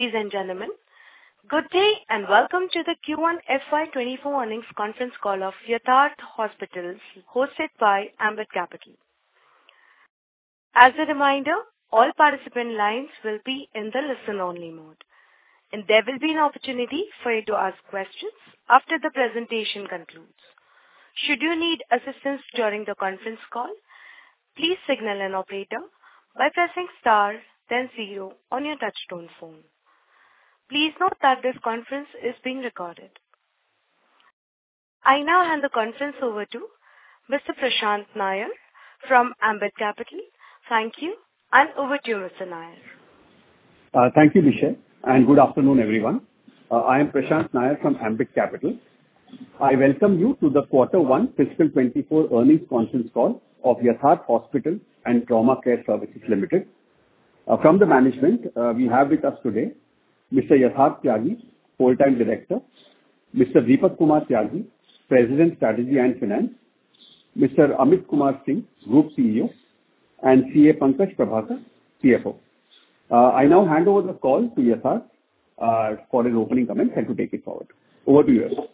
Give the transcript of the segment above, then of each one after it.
Ladies and gentlemen, good day, and welcome to the Q1 FY 2024 Earnings Conference Call of Yatharth Hospital & Trauma Care Services Limited, hosted by Ambit Capital. As a reminder, all participant lines will be in the listen-only mode, and there will be an opportunity for you to ask questions after the presentation concludes. Should you need assistance during the conference call, please signal an operator by pressing star then zero on your touchtone phone. Please note that this conference is being recorded. I now hand the conference over to Mr. Prashant Nair from Ambit Capital. Thank you, over to you, Mr. Nair. Thank you, Michelle, and good afternoon, everyone. I am Prashant Nair from Ambit Capital. I welcome you to the Q1 Fiscal 2024 Earnings Conference Call of Yatharth Hospital & Trauma Care Services Limited. From the management, we have with us today Mr. Yatharth Tyagi, Whole-Time Director, Mr. Deepak Kumar Tyagi, President - Strategy and Finance; Mr. Amit Kumar Singh, Group CEO; and Pankaj Prabhakar, CFO. I now hand over the call to Yatharth, for his opening comments and to take it forward. Over to you, Yatharth.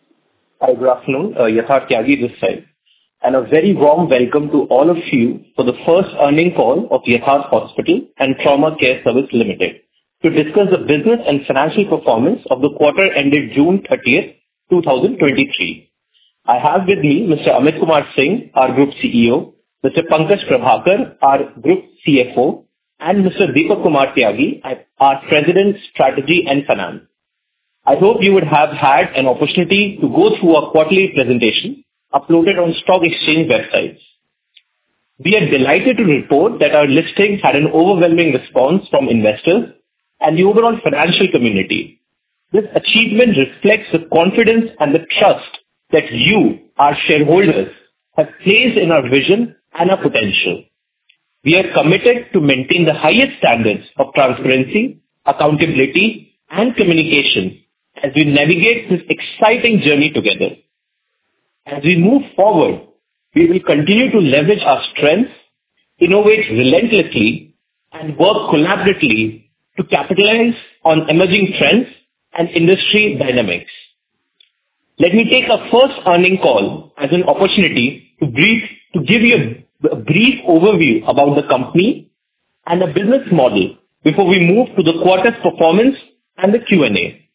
Hi, good afternoon, Yatharth Tyagi this side, and a very warm welcome to all of you for the first earning call of Yatharth Hospital & Trauma Care Services Limited, to discuss the business and financial performance of the quarter ended June 30th, 2023. I have with me Mr. Amit Kumar Singh, our Group CEO, Mr. Pankaj Prabhakar, our Group CFO, and Mr. Deepak Kumar Tyagi, our President, Strategy and Finance. I hope you would have had an opportunity to go through our quarterly presentation uploaded on stock exchange websites. We are delighted to report that our listings had an overwhelming response from investors and the overall financial community. This achievement reflects the confidence and the trust that you, our shareholders, have placed in our vision and our potential. We are committed to maintaining the highest standards of transparency, accountability, and communication as we navigate this exciting journey together. As we move forward, we will continue to leverage our strengths, innovate relentlessly, and work collaboratively to capitalize on emerging trends and industry dynamics. Let me take our first earnings call as an opportunity to give you a brief overview about the company and the business model before we move to the quarter's performance and the Q&A.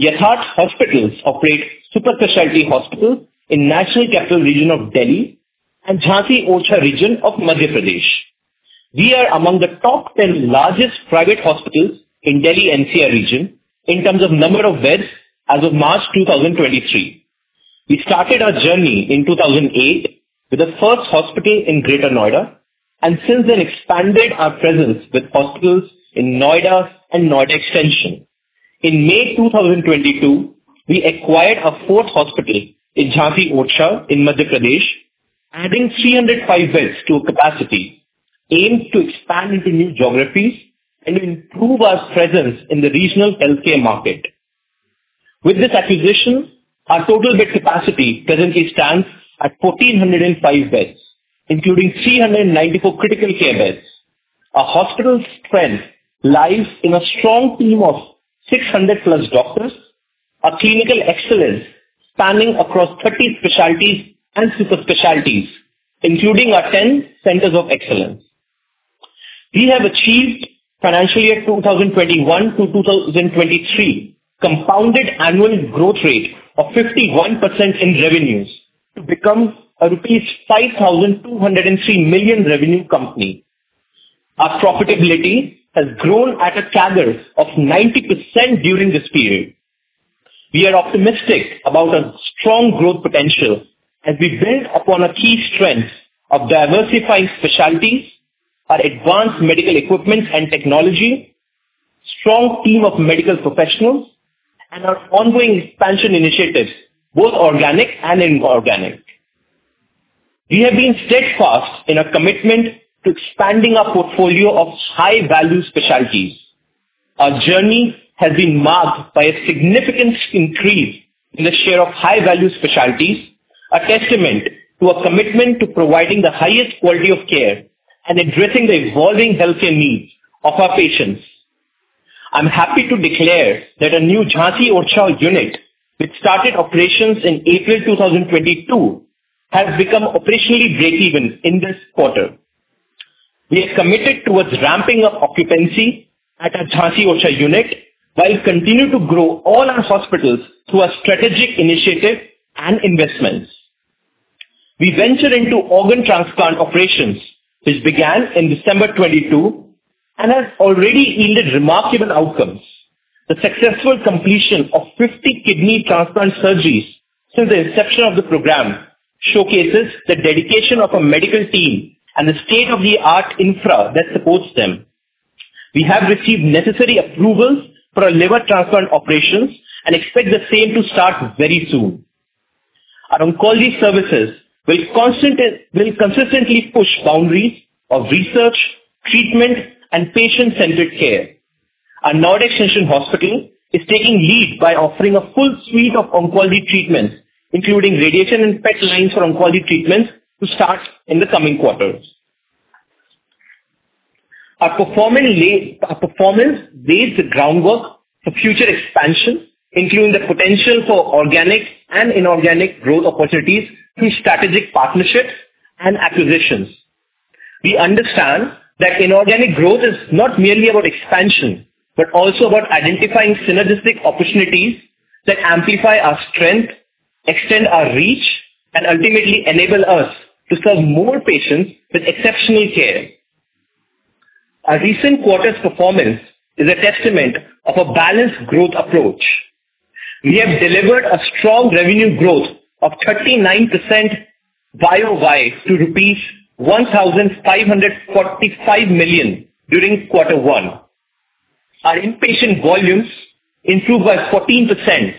Yatharth Hospitals operate super specialty hospitals in National Capital Region of Delhi and Jhansi-Orchha region of Madhya Pradesh. We are among the top 10 largest private hospitals in Delhi NCR region in terms of number of beds as of March 2023. We started our journey in 2008 with the first hospital in Greater Noida, and since then expanded our presence with hospitals in Noida and Noida Extension. In May 2022, we acquired our fourth hospital in Jhansi-Orchha in Madhya Pradesh, adding 305 beds to our capacity, aimed to expand into new geographies and improve our presence in the regional healthcare market. With this acquisition, our total bed capacity currently stands at 1,405 beds, including 394 critical care beds. Our hospital strength lies in a strong team of 600+ doctors, our clinical excellence spanning across 30 specialties and super specialties, including our 10 centers of excellence. We have achieved financial year 2021-2023, compounded annual growth rate of 51% in revenues to become a rupees 5,203 million revenue company. Our profitability has grown at a CAGR of 90% during this period. We are optimistic about our strong growth potential as we build upon our key strengths of diversified specialties, our advanced medical equipment and technology, strong team of medical professionals, and our ongoing expansion initiatives, both organic and inorganic. We have been steadfast in our commitment to expanding our portfolio of high-value specialties. Our journey has been marked by a significant increase in the share of high-value specialties, a testament to our commitment to providing the highest quality of care and addressing the evolving healthcare needs of our patients. I'm happy to declare that our new Jhansi-Orchha unit, which started operations in April 2022, has become operationally breakeven in this quarter. We are committed towards ramping up occupancy at our Jhansi-Orchha unit, while continue to grow all our hospitals through our strategic initiatives and investments. We venture into organ transplant operations, which began in December 2022 and has already yielded remarkable outcomes. The successful completion of 50 kidney transplant surgeries since the inception of the program showcases the dedication of our medical team and the state-of-the-art infra that supports them. We have received necessary approvals for our liver transplant operations and expect the same to start very soon. Our oncology services will consistently push boundaries of research, treatment, and patient-centered care. Our Noida Extension hospital is taking lead by offering a full suite of oncology treatments, including radiation and LINAC for oncology treatments to start in the coming quarters. Our performing lay, our performance lays the groundwork for future expansion, including the potential for organic and inorganic growth opportunities through strategic partnerships and acquisitions. We understand that inorganic growth is not merely about expansion, but also about identifying synergistic opportunities that amplify our strength, extend our reach, and ultimately enable us to serve more patients with exceptional care. Our recent quarter's performance is a testament of a balanced growth approach. We have delivered a strong revenue growth of 39% YoY to rupees 1,545 million during quarter one. Our inpatient volumes improved by 14%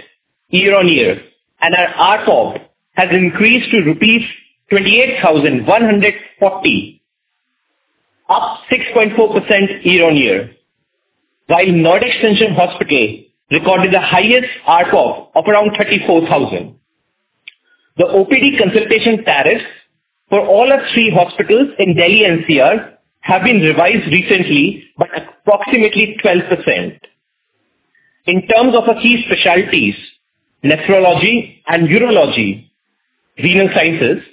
year-on-year, and our ARPOB has increased to rupees 28,140, up 6.4% year-on-year. Noida Extension Hospital recorded the highest ARPOB of around 34,000. The OPD consultation tariffs for all our three hospitals in Delhi NCR have been revised recently by approximately 12%. In terms of our key specialties, nephrology and urology, renal sciences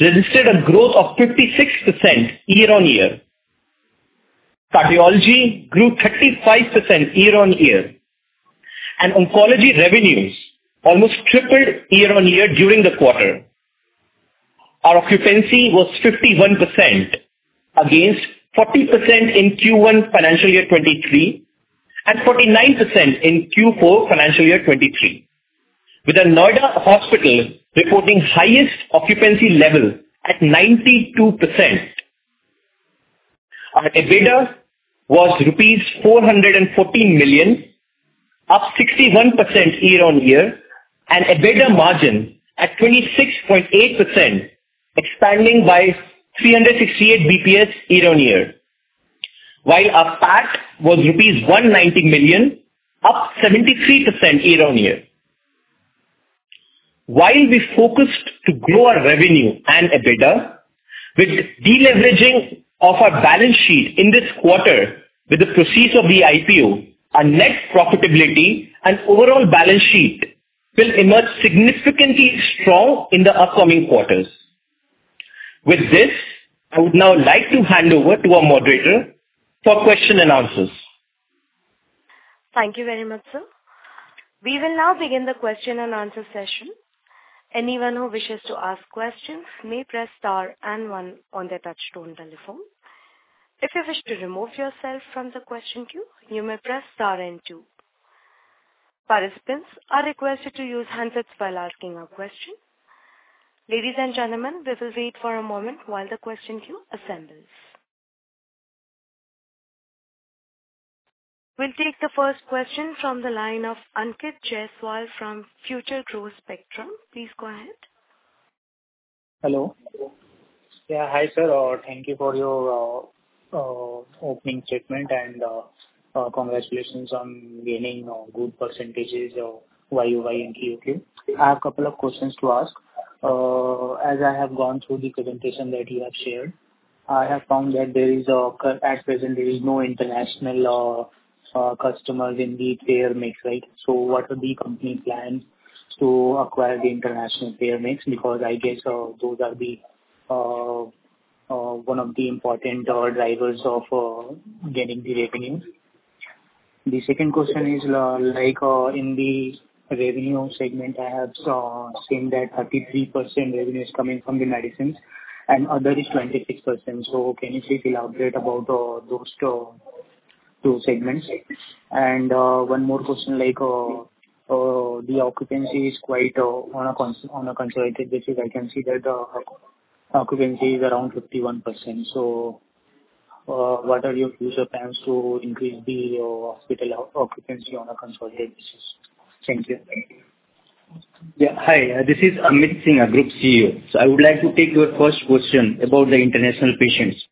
registered a growth of 56% year-on-year. Cardiology grew 35% year-on-year, and oncology revenues almost tripled year-on-year during the quarter. Our occupancy was 51% against 40% in Q1, financial year 2023, and 49% in Q4, financial year 2023, with the Noida Hospital reporting highest occupancy level at 92%. Our EBITDA was rupees 414 million, up 61% year-on-year, and EBITDA margin at 26.8%, expanding by 368 BPS year-on-year. Our PAT was rupees 190 million, up 73% year-on-year. While we focused to grow our revenue and EBITDA, with deleveraging of our balance sheet in this quarter with the proceeds of the IPO, our net profitability and overall balance sheet will emerge significantly strong in the upcoming quarters. With this, I would now like to hand over to our moderator for question and answers. Thank you very much, sir. We will now begin the question and answer session. Anyone who wishes to ask questions may press star and one on their touchtone telephone. If you wish to remove yourself from the question queue, you may press star and two. Participants are requested to use handsets while asking a question. Ladies and gentlemen, we will wait for a moment while the question queue assembles. We'll take the first question from the line of Ankit Jaiswal from Future Growth Spectra. Please go ahead. Hello. Yeah, hi, sir, thank you for your opening statement and congratulations on gaining good % of YoY and QoQ. I have a couple of questions to ask. As I have gone through the presentation that you have shared, I have found that there is at present, there is no international customers in the payer mix, right? What are the company plans to acquire the international payer mix? I guess those are the one of the important drivers of getting the revenues. The second question is, like, in the revenue segment, I have seen that 33% revenue is coming from the medicines, and other is 26%. Can you please elaborate about those two segments? One more question, the occupancy is quite on a consolidated basis, I can see that occupancy is around 51%. What are your future plans to increase the hospital occupancy on a consolidated basis? Thank you. Yeah. Hi, this is Amit Kumar Singh, Group CEO. I would like to take your first question about the international patients.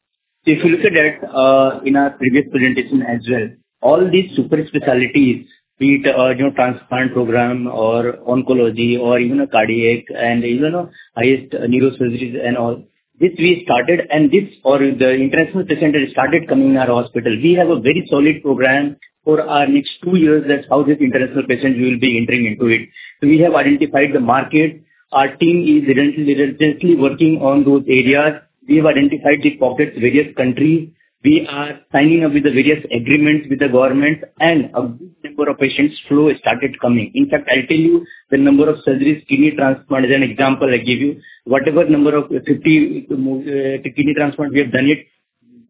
If you look at that, in our previous presentation as well, all these super specialties, be it, you know, transplant program or oncology or even a cardiac and even a highest neurosurgeries and all, which we started and this, or the international patients started coming in our hospital. We have a very solid program for our next two years, that's how this international patients will be entering into it. We have identified the market. Our team is relentlessly, relentlessly working on those areas. We have identified the pockets, various countries. We are signing up with the various agreements with the government, and a good number of patients flow has started coming. In fact, I'll tell you the number of surgeries, kidney transplant, as an example I give you, whatever number of 50 kidney transplant, we have done it,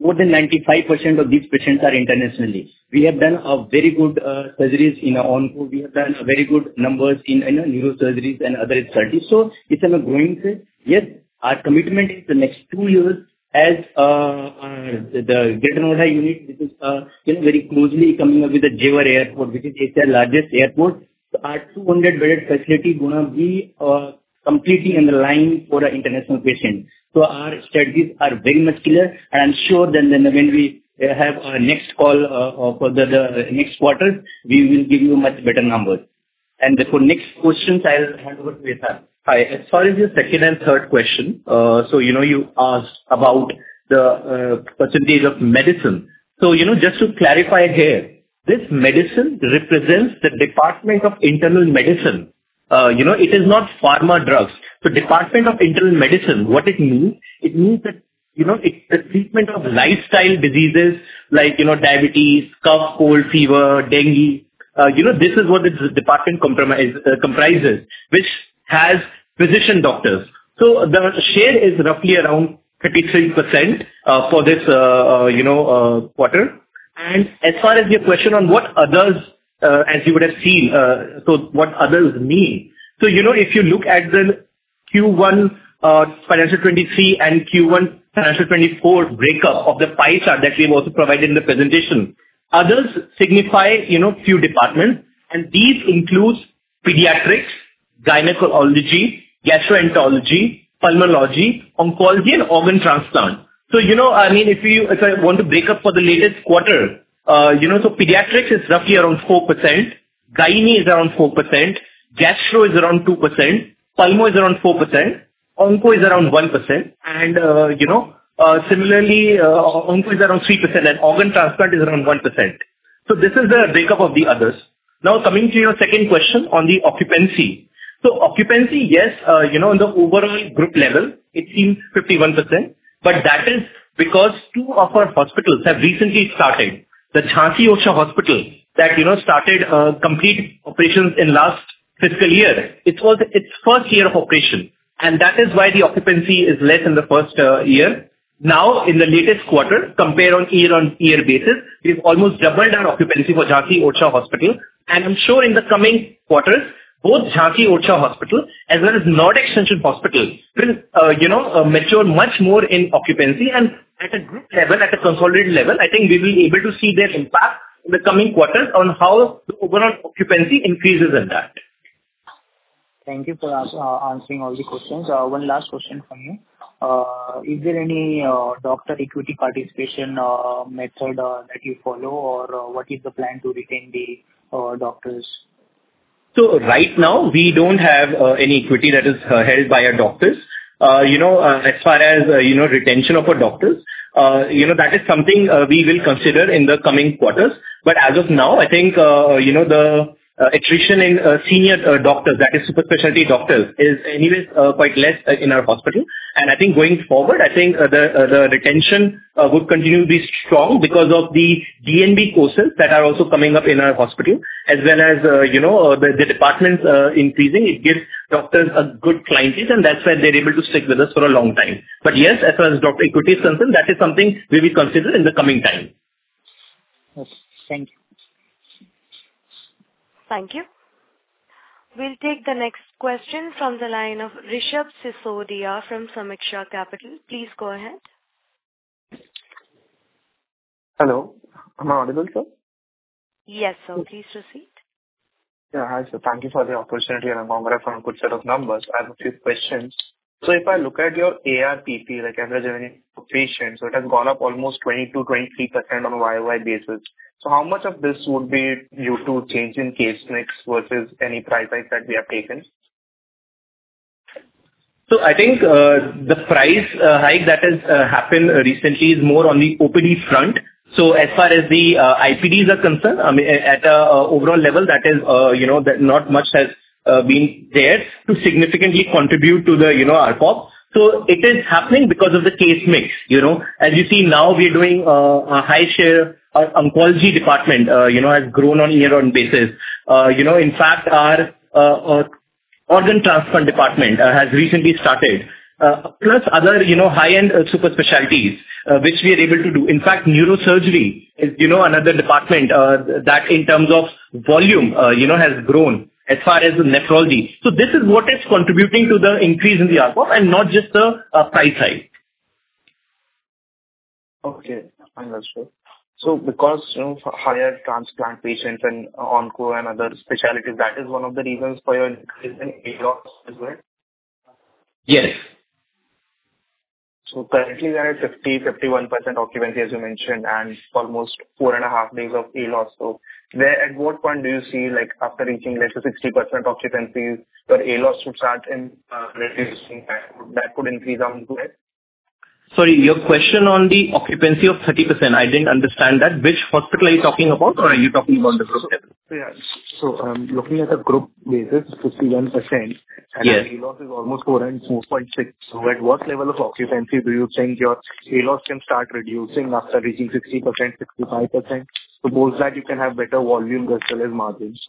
more than 95% of these patients are internationally. We have done a very good surgeries in our onco. We have done very good numbers in, you know, neurosurgeries and other surgeries. It's on a growing phase. Yes, our commitment is the next two years as the Noida unit, which is, you know, very closely coming up with the Noida International Airport (Jewar), which is Asia's largest airport. Our 200-bed facility gonna be completely on the line for the international patients. Our strategies are very much clear, I'm sure that when, when we have our next call for the next quarter, we will give you much better numbers. For next questions, I'll hand over to Yatharth. Hi. As far as your second and third question, you know, you asked about the percentage of medicine. You know, just to clarify here, this medicine represents the Department of Internal Medicine. You know, it is not pharma drugs. The Department of Internal Medicine, what it means, it means that, you know, it, the treatment of lifestyle diseases like, you know, diabetes, cough, cold, fever, dengue, you know, this is what this department comprises, which has physician doctors. The share is roughly around 33%, for this, you know, quarter. As far as your question on what others, as you would have seen, so what others mean. You know, if you look at the Q1 financial 2023 and Q1 financial 2024 breakup of the pie chart that we've also provided in the presentation, others signify, you know, few departments, and these includes pediatrics, gynecology, gastroenterology, pulmonology, oncology, and organ transplant. You know, I mean, if you, if I want to break up for the latest quarter, you know, pediatrics is roughly around 4%, gyne is around 4%, gastro is around 2%, pulmo is around 4%, onco is around 1%, and, you know, similarly, onco is around 3%, and organ transplant is around 1%. This is the breakup of the others. Now, coming to your second question on the occupancy. Occupancy, yes, you know, in the overall group level, it seems 51%, but that is because two of our hospitals have recently started. The Jhansi-Orchha Hospital that, you know, started complete operations in last fiscal year. It was its first year of operation, and that is why the occupancy is less in the first year. In the latest quarter, compare on year-on-year basis, we've almost doubled our occupancy for Jhansi-Orchha Hospital. I'm sure in the coming quarters, both Jhansi-Orchha Hospital as well as Noida Extension Hospital will, you know, mature much more in occupancy. At a group level, at a consolidated level, I think we will able to see their impact in the coming quarters on how the overall occupancy increases at that. Thank you for answering all the questions. One last question from me. Is there any doctor equity participation method that you follow, or what is the plan to retain the doctors? Right now, we don't have any equity that is held by our doctors. You know, as far as, you know, retention of our doctors, you know, that is something we will consider in the coming quarters. As of now, I think, you know, the attrition in senior doctors, that is super specialty doctors, is anyways quite less in our hospital. I think going forward, I think the retention would continue to be strong because of the DNB courses that are also coming up in our hospital, as well as, you know, the departments increasing. It gives doctors a good clientele, and that's why they're able to stick with us for a long time. Yes, as far as doctor equity is concerned, that is something we will consider in the coming time. Okay. Thank you. Thank you. We'll take the next question from the line of Reshab Sisodiya from Sameeksha Capital. Please go ahead. Hello, am I audible, sir? Yes, sir. Please proceed. Yeah, hi, sir. Thank you for the opportunity, and congrats on a good set of numbers. I have a few questions. If I look at your ARPP, like, Average Revenue Per Patient, it has gone up almost 20%-23% on a YoY basis. How much of this would be due to change in case mix versus any price hikes that we have taken? I think, the price hike that has happened recently is more on the OPD front. As far as the IPDs are concerned, I mean, at the overall level, that is, you know, not much has been there to significantly contribute to the, you know, ARPOB. It is happening because of the case mix, you know. As you see now, we're doing a high share, oncology department, you know, has grown on year-on-year basis. You know, in fact, our organ transplant department has recently started, plus other, you know, high-end super specialties, which we are able to do. In fact, neurosurgery is, you know, another department that in terms of volume, you know, has grown as far as the neurology. This is what is contributing to the increase in the ARPOB and not just the price hike. Okay, fine. That's good. Because of higher transplant patients and onco and other specialties, that is one of the reasons for your increase in ALOS as well? Yes. Currently we are at 50%-51% occupancy, as you mentioned, and almost 4.5 days of ALOS. Where, at what point do you see, like, after reaching, let's say, 60% occupancy, your ALOS should start in reducing, and that would increase onto it? Sorry, your question on the occupancy of 30%, I didn't understand that. Which hospital are you talking about, or are you talking about the group level? Yeah. I'm looking at a group basis, 51%- Yes. ALOS is almost 4.6. At what level of occupancy do you think your ALOS can start reducing after reaching 60%, 65%? Suppose that you can have better volume as well as margins.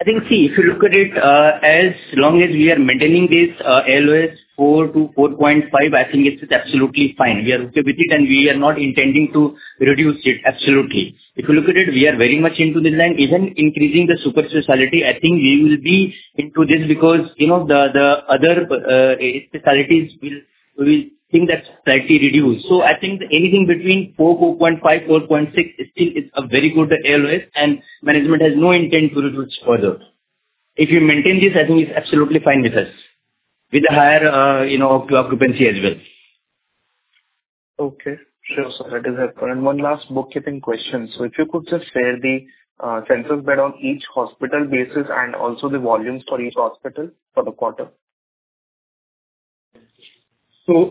I think, see, if you look at it, as long as we are maintaining this ALOS 4-4.5, I think it's absolutely fine. We are okay with it. We are not intending to reduce it, absolutely. If you look at it, we are very much into the line, even increasing the super specialty, I think we will be into this because, you know, the, the other specialties will, we think that's slightly reduced. I think anything between 4, 4.5, 4.6, still is a very good ALOS, and management has no intent to reduce further. If you maintain this, I think it's absolutely fine with us, with a higher, you know, occupancy as well.... Okay, sure, sir, that is helpful. One last bookkeeping question: If you could just share the census bed on each hospital basis and also the volumes for each hospital for the quarter?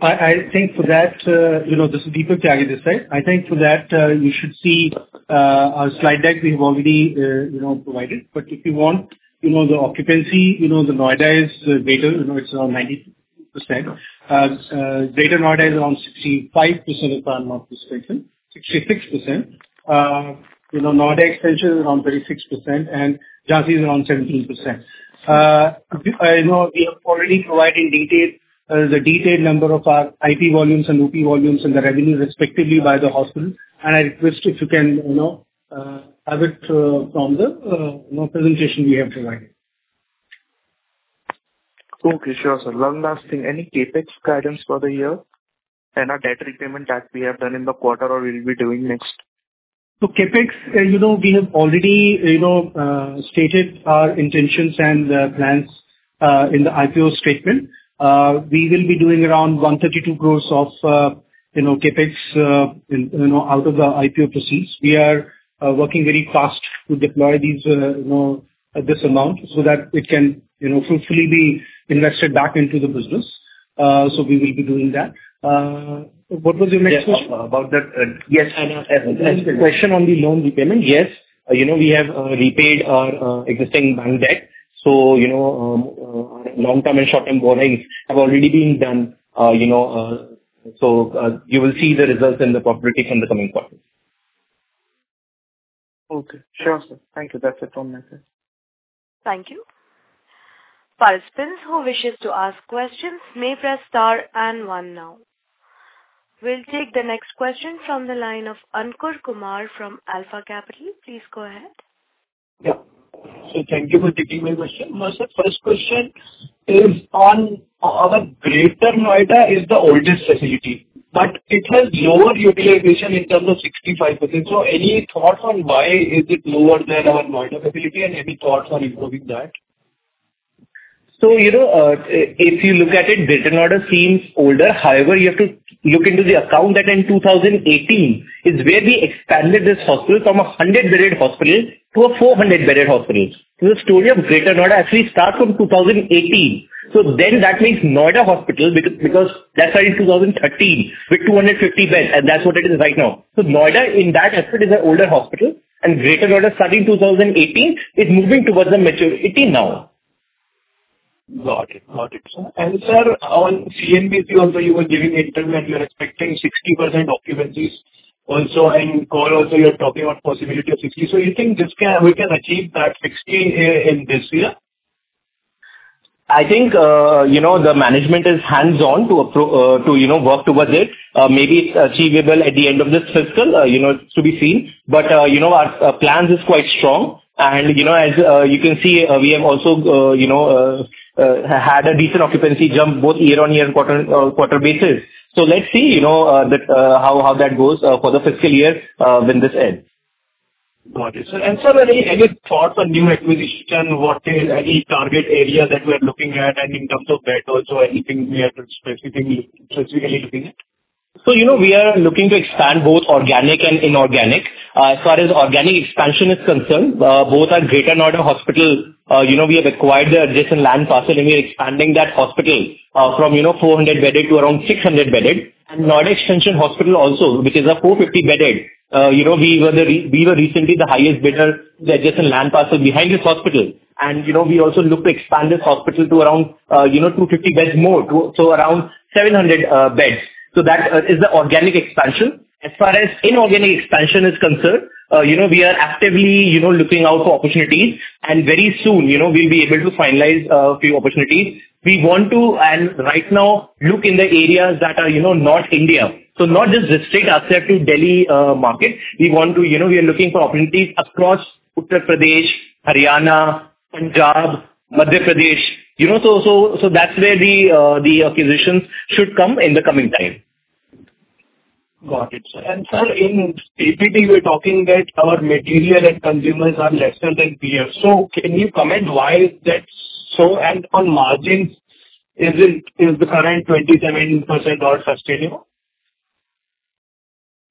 I, I think for that, you know, this is Deepak carrying this, right? I think for that, you should see our slide deck we have already, you know, provided. If you want, you know, the occupancy, you know, the Noida is better, you know, it's around 90%. Greater Noida is around 65% if I'm not mistaken, 66%. You know, Noida Extension is around 36%, and Jhansi is around 17%. I know we are already providing detail, the detailed number of our IP volumes and OP volumes and the revenue respectively by the hospital. I request if you can, you know, have it from the, you know, presentation we have provided. Okay, sure, sir. One last thing, any CapEx guidance for the year and our debt repayment that we have done in the quarter or we'll be doing next? CapEx, you know, we have already, you know, stated our intentions and plans in the IPO statement. We will be doing around 132 crore of, you know, CapEx in, you know, out of the IPO proceeds. We are working very fast to deploy these, you know, this amount so that it can, you know, fruitfully be invested back into the business. We will be doing that. What was your next question? About that,... Yes, question on the loan repayment. Yes, you know, we have repaid our existing bank debt. You know, long-term and short-term borrowings have already been done, you know, so, you will see the results in the public in the coming quarters. Okay, sure, sir. Thank you. That's it from my side. Thank you. Participants who wishes to ask questions may press star and one now. We'll take the next question from the line of Ankur Kumar from Alpha Capital. Please go ahead. Yeah. thank you for taking my question. My sir, first question is on our Greater Noida is the oldest facility, but it has lower utilization in terms of 65%. any thought on why is it lower than our Noida facility and any thoughts on improving that? You know, if you look at it, Greater Noida seems older. However, you have to look into the account that in 2018 is where we expanded this hospital from a 100-bedded hospital to a 400-bedded hospital. The story of Greater Noida actually starts from 2018. That means Noida Hospital, because that started in 2013 with 250 beds, and that's what it is right now. Noida, in that aspect, is an older hospital, and Greater Noida, starting 2018, is moving towards the maturity now. Got it. Got it, sir. Sir, on CNBC also, you were giving the interview that you're expecting 60% occupancies also, and call also you're talking about possibility of 60%. You think we can achieve that 60% in this year? I think, you know, the management is hands-on to, you know, work towards it. Maybe it's achievable at the end of this fiscal, you know, it's to be seen. You know, our plans is quite strong. You know, as you can see, we have also, you know, had a decent occupancy jump both year-on-year and quarter-on-quarter basis. Let's see, you know, that how, how that goes for the fiscal year when this ends. Got it, sir. Sir, any, any thoughts on new acquisition? What is any target area that we are looking at? And in terms of bed also, anything we are specifically, specifically looking at? you know, we are looking to expand both organic and inorganic. As far as organic expansion is concerned, both our Greater Noida Hospital, you know, we have acquired the adjacent land parcel, and we are expanding that hospital, from, you know, 400 bedded to around 600 bedded. Noida Extension Hospital also, which is a 450 bedded, you know, we were recently the highest bidder, the adjacent land parcel behind this hospital. you know, we also look to expand this hospital to around, you know, 250 beds more, so around 700 beds. That is the organic expansion. As far as inorganic expansion is concerned, you know, we are actively, you know, looking out for opportunities, and very soon, you know, we'll be able to finalize few opportunities. We want to, and right now, look in the areas that are, you know, North India. Not just restrict ourselves to Delhi, market. We want to, you know, we are looking for opportunities across Uttar Pradesh, Haryana, Punjab, Madhya Pradesh, you know, so, so, so that's where the, the acquisitions should come in the coming time. Got it, sir. Sir, in PPT, we're talking that our material and consumers are lesser than peers. Can you comment why is that so? On margins, is it, is the current 27% are sustainable?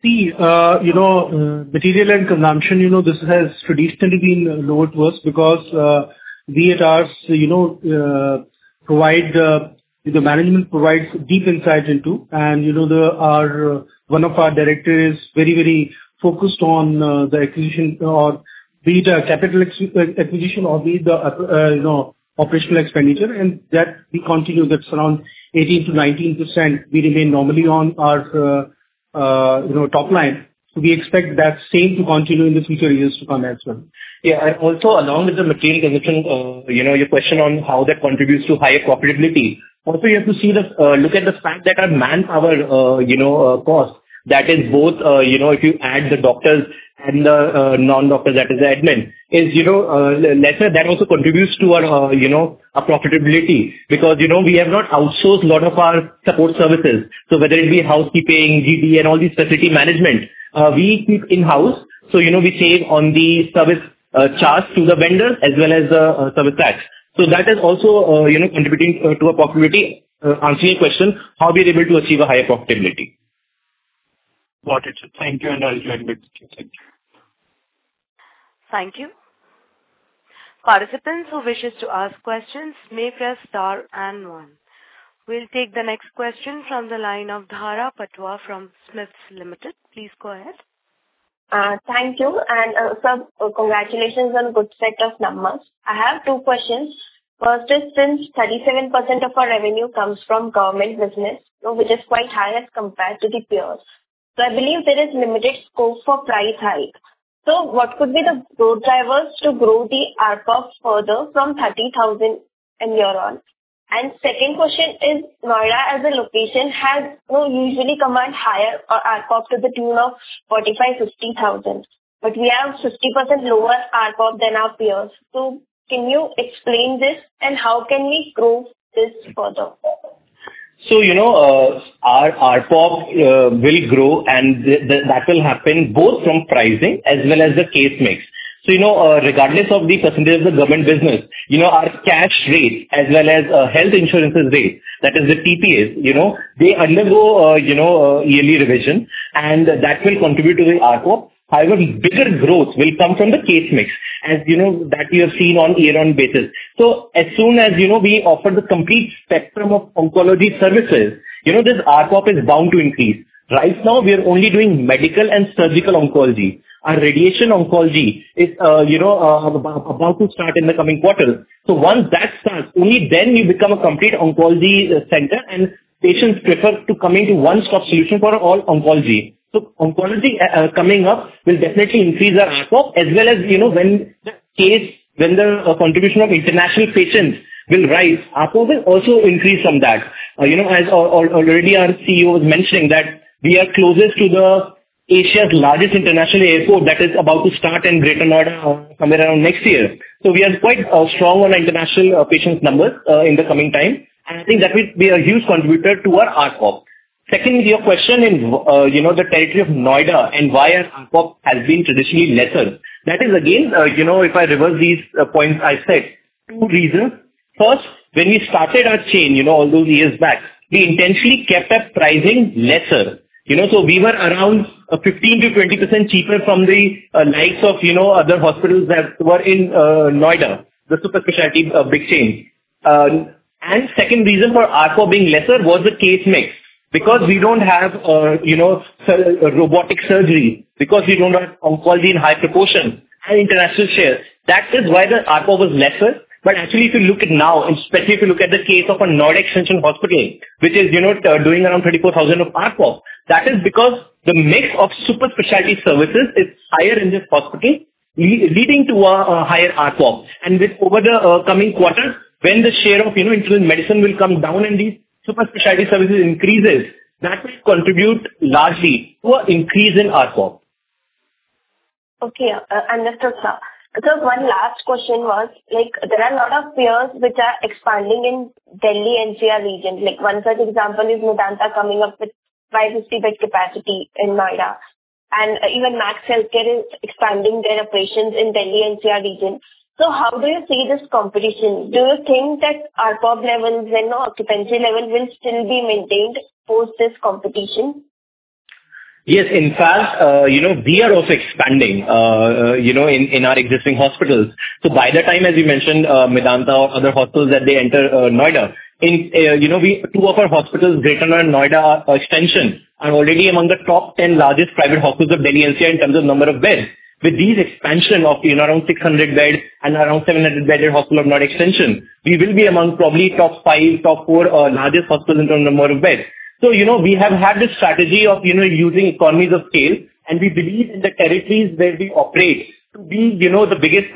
See, you know, material and consumption, you know, this has traditionally been lower to us because, we at ours, you know, provide, the management provides deep insights into, and, you know, there are. One of our directors is very, very focused on, the acquisition or be it a capital acquisition or be it the, you know, operational expenditure, and that we continue. That's around 18%-19%. We remain normally on our, you know, top line. We expect that same to continue in the future years to come as well. Yeah, also along with the material consumption, you know, your question on how that contributes to higher profitability. You have to see the, look at the fact that our manpower, you know, cost, that is both, you know, if you add the doctors and the, non-doctors, that is the admin, is, you know, lesser. That also contributes to our, you know, our profitability, because, you know, we have not outsourced a lot of our support services. Whether it be housekeeping, GB, and all these facility management, we keep in-house, so, you know, we save on the service, charge to the vendor as well as the, service tax. That is also, you know, contributing, to our profitability. Answering your question, how we are able to achieve a higher profitability? Got it, sir. Thank you, and I'll get back to you. Thank you. Thank you. Participants who wishes to ask questions may press star and 1. We'll take the next question from the line of Dhara Patwa from SMIFS Limited. Please go ahead. Thank you, sir, congratulations on good set of numbers. I have two questions: First is, since 37% of our revenue comes from government business, which is quite higher compared to the peers, I believe there is limited scope for price hike. What could be the growth drivers to grow the ARPOB further from 30,000 and year on? Second question is, Noida as a location has, you know, usually command higher ARPOB to the tune of 45,000-60,000, but we have 60% lower ARPOB than our peers. Can you explain this, and how can we grow this further? You know, our ARPOB will grow, and that will happen both from pricing as well as the case mix. You know, regardless of the percentage of the government business, you know, our cash rate as well as health insurances rate, that is the TPAs, you know, they undergo, you know, yearly revision, and that will contribute to the ARPOB. However, bigger growth will come from the case mix, as you know, that we have seen on year-on basis. As soon as, you know, we offer the complete spectrum of oncology services, you know, this ARPOB is bound to increase. Right now, we are only doing medical and surgical oncology. Our radiation oncology is, you know, about to start in the coming quarter. Once that starts, only then we become a complete oncology center, and patients prefer to come into one-stop solution for all oncology. Oncology, coming up will definitely increase our ARPOB as well as, you know, when the case, when the contribution of international patients will rise, ARPOB will also increase from that. You know, as already our CEO was mentioning, that we are closest to the Asia's largest international airport that is about to start in Greater Noida, somewhere around next year. We are quite strong on international patients numbers in the coming time, and I think that will be a huge contributor to our ARPOB. Secondly, your question in, you know, the territory of Noida and why our ARPOB has been traditionally lesser. That is again, you know, if I reverse these points, I said two reasons. First, when we started our chain, you know, all those years back, we intentionally kept our pricing lesser. You know, we were around, 15%-20% cheaper from the likes of, you know, other hospitals that were in Noida, the super specialty, big chain. Second reason for ARPOB being lesser was the case mix. Because we don't have, you know, robotic surgery, because we don't have oncology in high proportion and international share. That is why the ARPOB was lesser. Actually, if you look at now, especially if you look at the case of a Noida Extension Hospital, which is, you know, doing around 24,000 of ARPOB, that is because the mix of super specialty services is higher in this hospital, leading to a, a higher ARPOB. With over the coming quarters, when the share of, you know, internal medicine will come down and these super specialty services increases, that will contribute largely to an increase in ARPOB. Okay, understood, sir. Sir, one last question was, like, there are a lot of peers which are expanding in Delhi NCR region. Like, one such example is Medanta coming up with 550-bed capacity in Noida, and even Max Healthcare is expanding their operations in Delhi NCR region. How do you see this competition? Do you think that ARPOB levels and our occupancy levels will still be maintained post this competition? Yes, in fact, you know, we are also expanding, you know, in, in our existing hospitals. By the time, as you mentioned, Medanta or other hospitals that they enter, Noida, in, you know, we-- two of our hospitals, Greater Noida and Noida Extension, are already among the top 10 largest private hospitals of Delhi NCR in terms of number of beds. With these expansion of, you know, around 600 beds and around 700-bedded hospital of Noida Extension, we will be among probably top five, top four, largest hospitals in terms of number of beds. You know, we have had this strategy of, you know, using economies of scale, and we believe in the territories where we operate to be, you know, the biggest,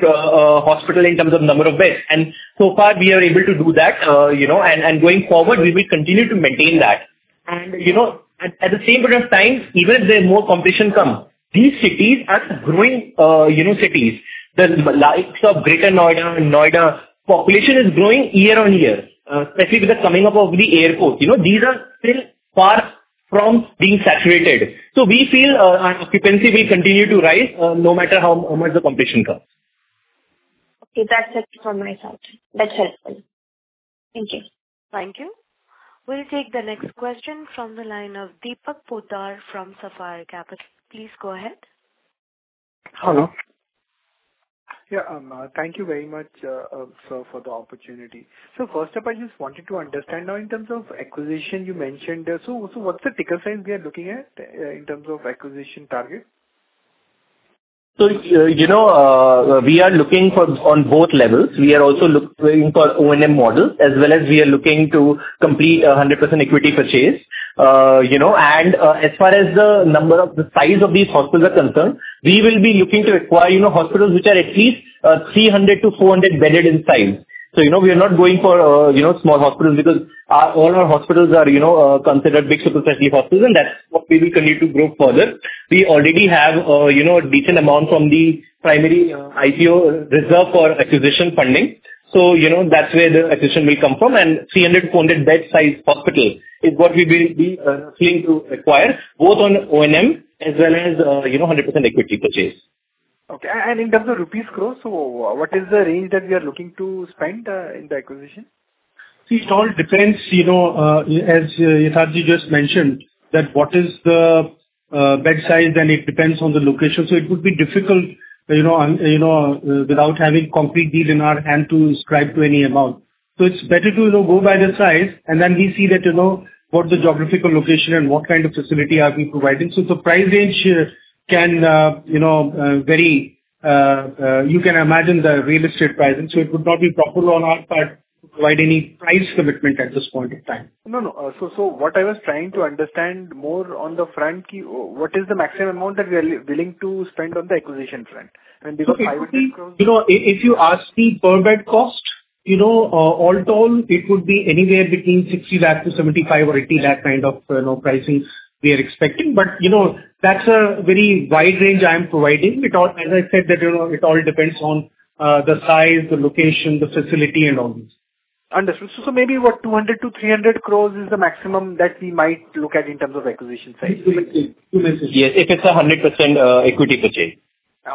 hospital in terms of number of beds. So far, we are able to do that, you know, and, and going forward, we will continue to maintain that. You know, at the same point of time, even if there's more competition come, these cities are growing, you know, cities. The likes of Greater Noida and Noida, population is growing year-on-year, especially with the coming up of the airport. You know, these are still far from being saturated. We feel, our occupancy will continue to rise, no matter how, how much the competition comes. Okay, that's it from my side. That's helpful. Thank you. Thank you. We'll take the next question from the line of Deepak Poddar from Sapphire Capital. Please go ahead. Hello. Yeah, thank you very much, sir, for the opportunity. First up, I just wanted to understand now in terms of acquisition, you mentioned, so, so what's the ticker size we are looking at, in terms of acquisition target? You know, we are looking for on both levels. We are also looking for O&M model, as well as we are looking to complete a 100% equity purchase. You know, as far as the number of the size of these hospitals are concerned, we will be looking to acquire, you know, hospitals which are at least 300-400 bedded in size. You know, we are not going for, you know, small hospitals, because our, all our hospitals are, you know, considered big super specialty hospitals, and that's what we will continue to grow further. We already have, you know, a decent amount from the primary IPO reserve for acquisition funding. You know, that's where the acquisition will come from, and 300-400 bed size hospital is what we will be, looking to acquire, both on O&M as well as, you know, 100% equity purchase. In terms of INR grow, what is the range that we are looking to spend in the acquisition? See, it all depends, you know, as Yatharth just mentioned, that what is the bed size, and it depends on the location. It would be difficult, you know, you know, without having complete deal in our hand to ascribe to any amount. It's better to go by the size, and then we see that, you know, what the geographical location and what kind of facility are we providing. The price range can, you know, vary. You can imagine the real estate pricing, so it would not be proper on our part to provide any price commitment at this point in time. No, no. What I was trying to understand more on the front, ki, what is the maximum amount that you are willing to spend on the acquisition front? Because INR 500 crore... You know, if, if you ask the per bed cost, you know, all told, it would be anywhere between 60 lakh to 75 lakh or 80 lakh kind of, you know, pricing we are expecting. You know, that's a very wide range I am providing because as I said, that, you know, it all depends on the size, the location, the facility and all these. Understood. maybe what 200 crore-300 crore is the maximum that we might look at in terms of acquisition size? Yes, if it's a 100%, equity purchase.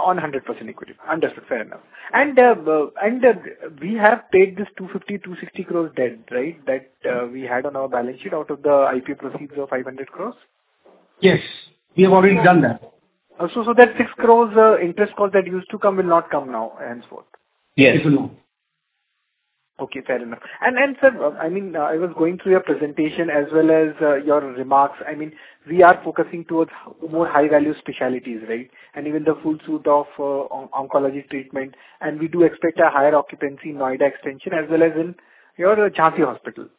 On 100% equity. Understood. Fair enough. We have paid this 250 crore-260 crore debt, right? That we had on our balance sheet out of the IPO proceeds of 500 crore. Yes, we have already done that. So that 6 crore interest cost that used to come will not come now and so forth. Yes, it will not. Okay, fair enough. Sir, I mean, I was going through your presentation as well as your remarks. I mean, we are focusing towards more high-value specialties, right? Even the full suite of oncology treatment, and we do expect a higher occupancy in Noida Extension, as well as in your Jhansi hospital.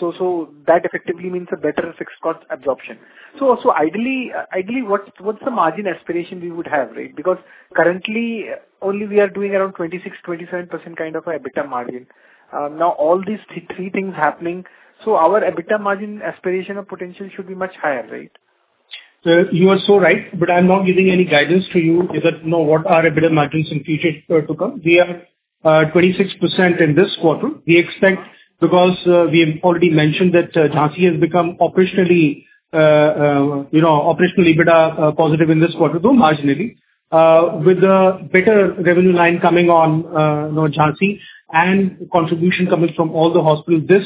That effectively means a better fixed cost absorption. Ideally, ideally, what's, what's the margin aspiration we would have, right? Because currently only we are doing around 26%-27% kind of EBITDA margin. Now all these three things happening, our EBITDA margin aspiration or potential should be much higher, right? Sir, you are so right, but I'm not giving any guidance to you as to, you know, what are EBITDA margins in future to come. We are 26% in this quarter. We expect, because we have already mentioned that Jhansi has become operationally, you know, operationally EBITDA positive in this quarter, though marginally. With a better revenue line coming on, you know, Jhansi and contribution coming from all the hospitals, this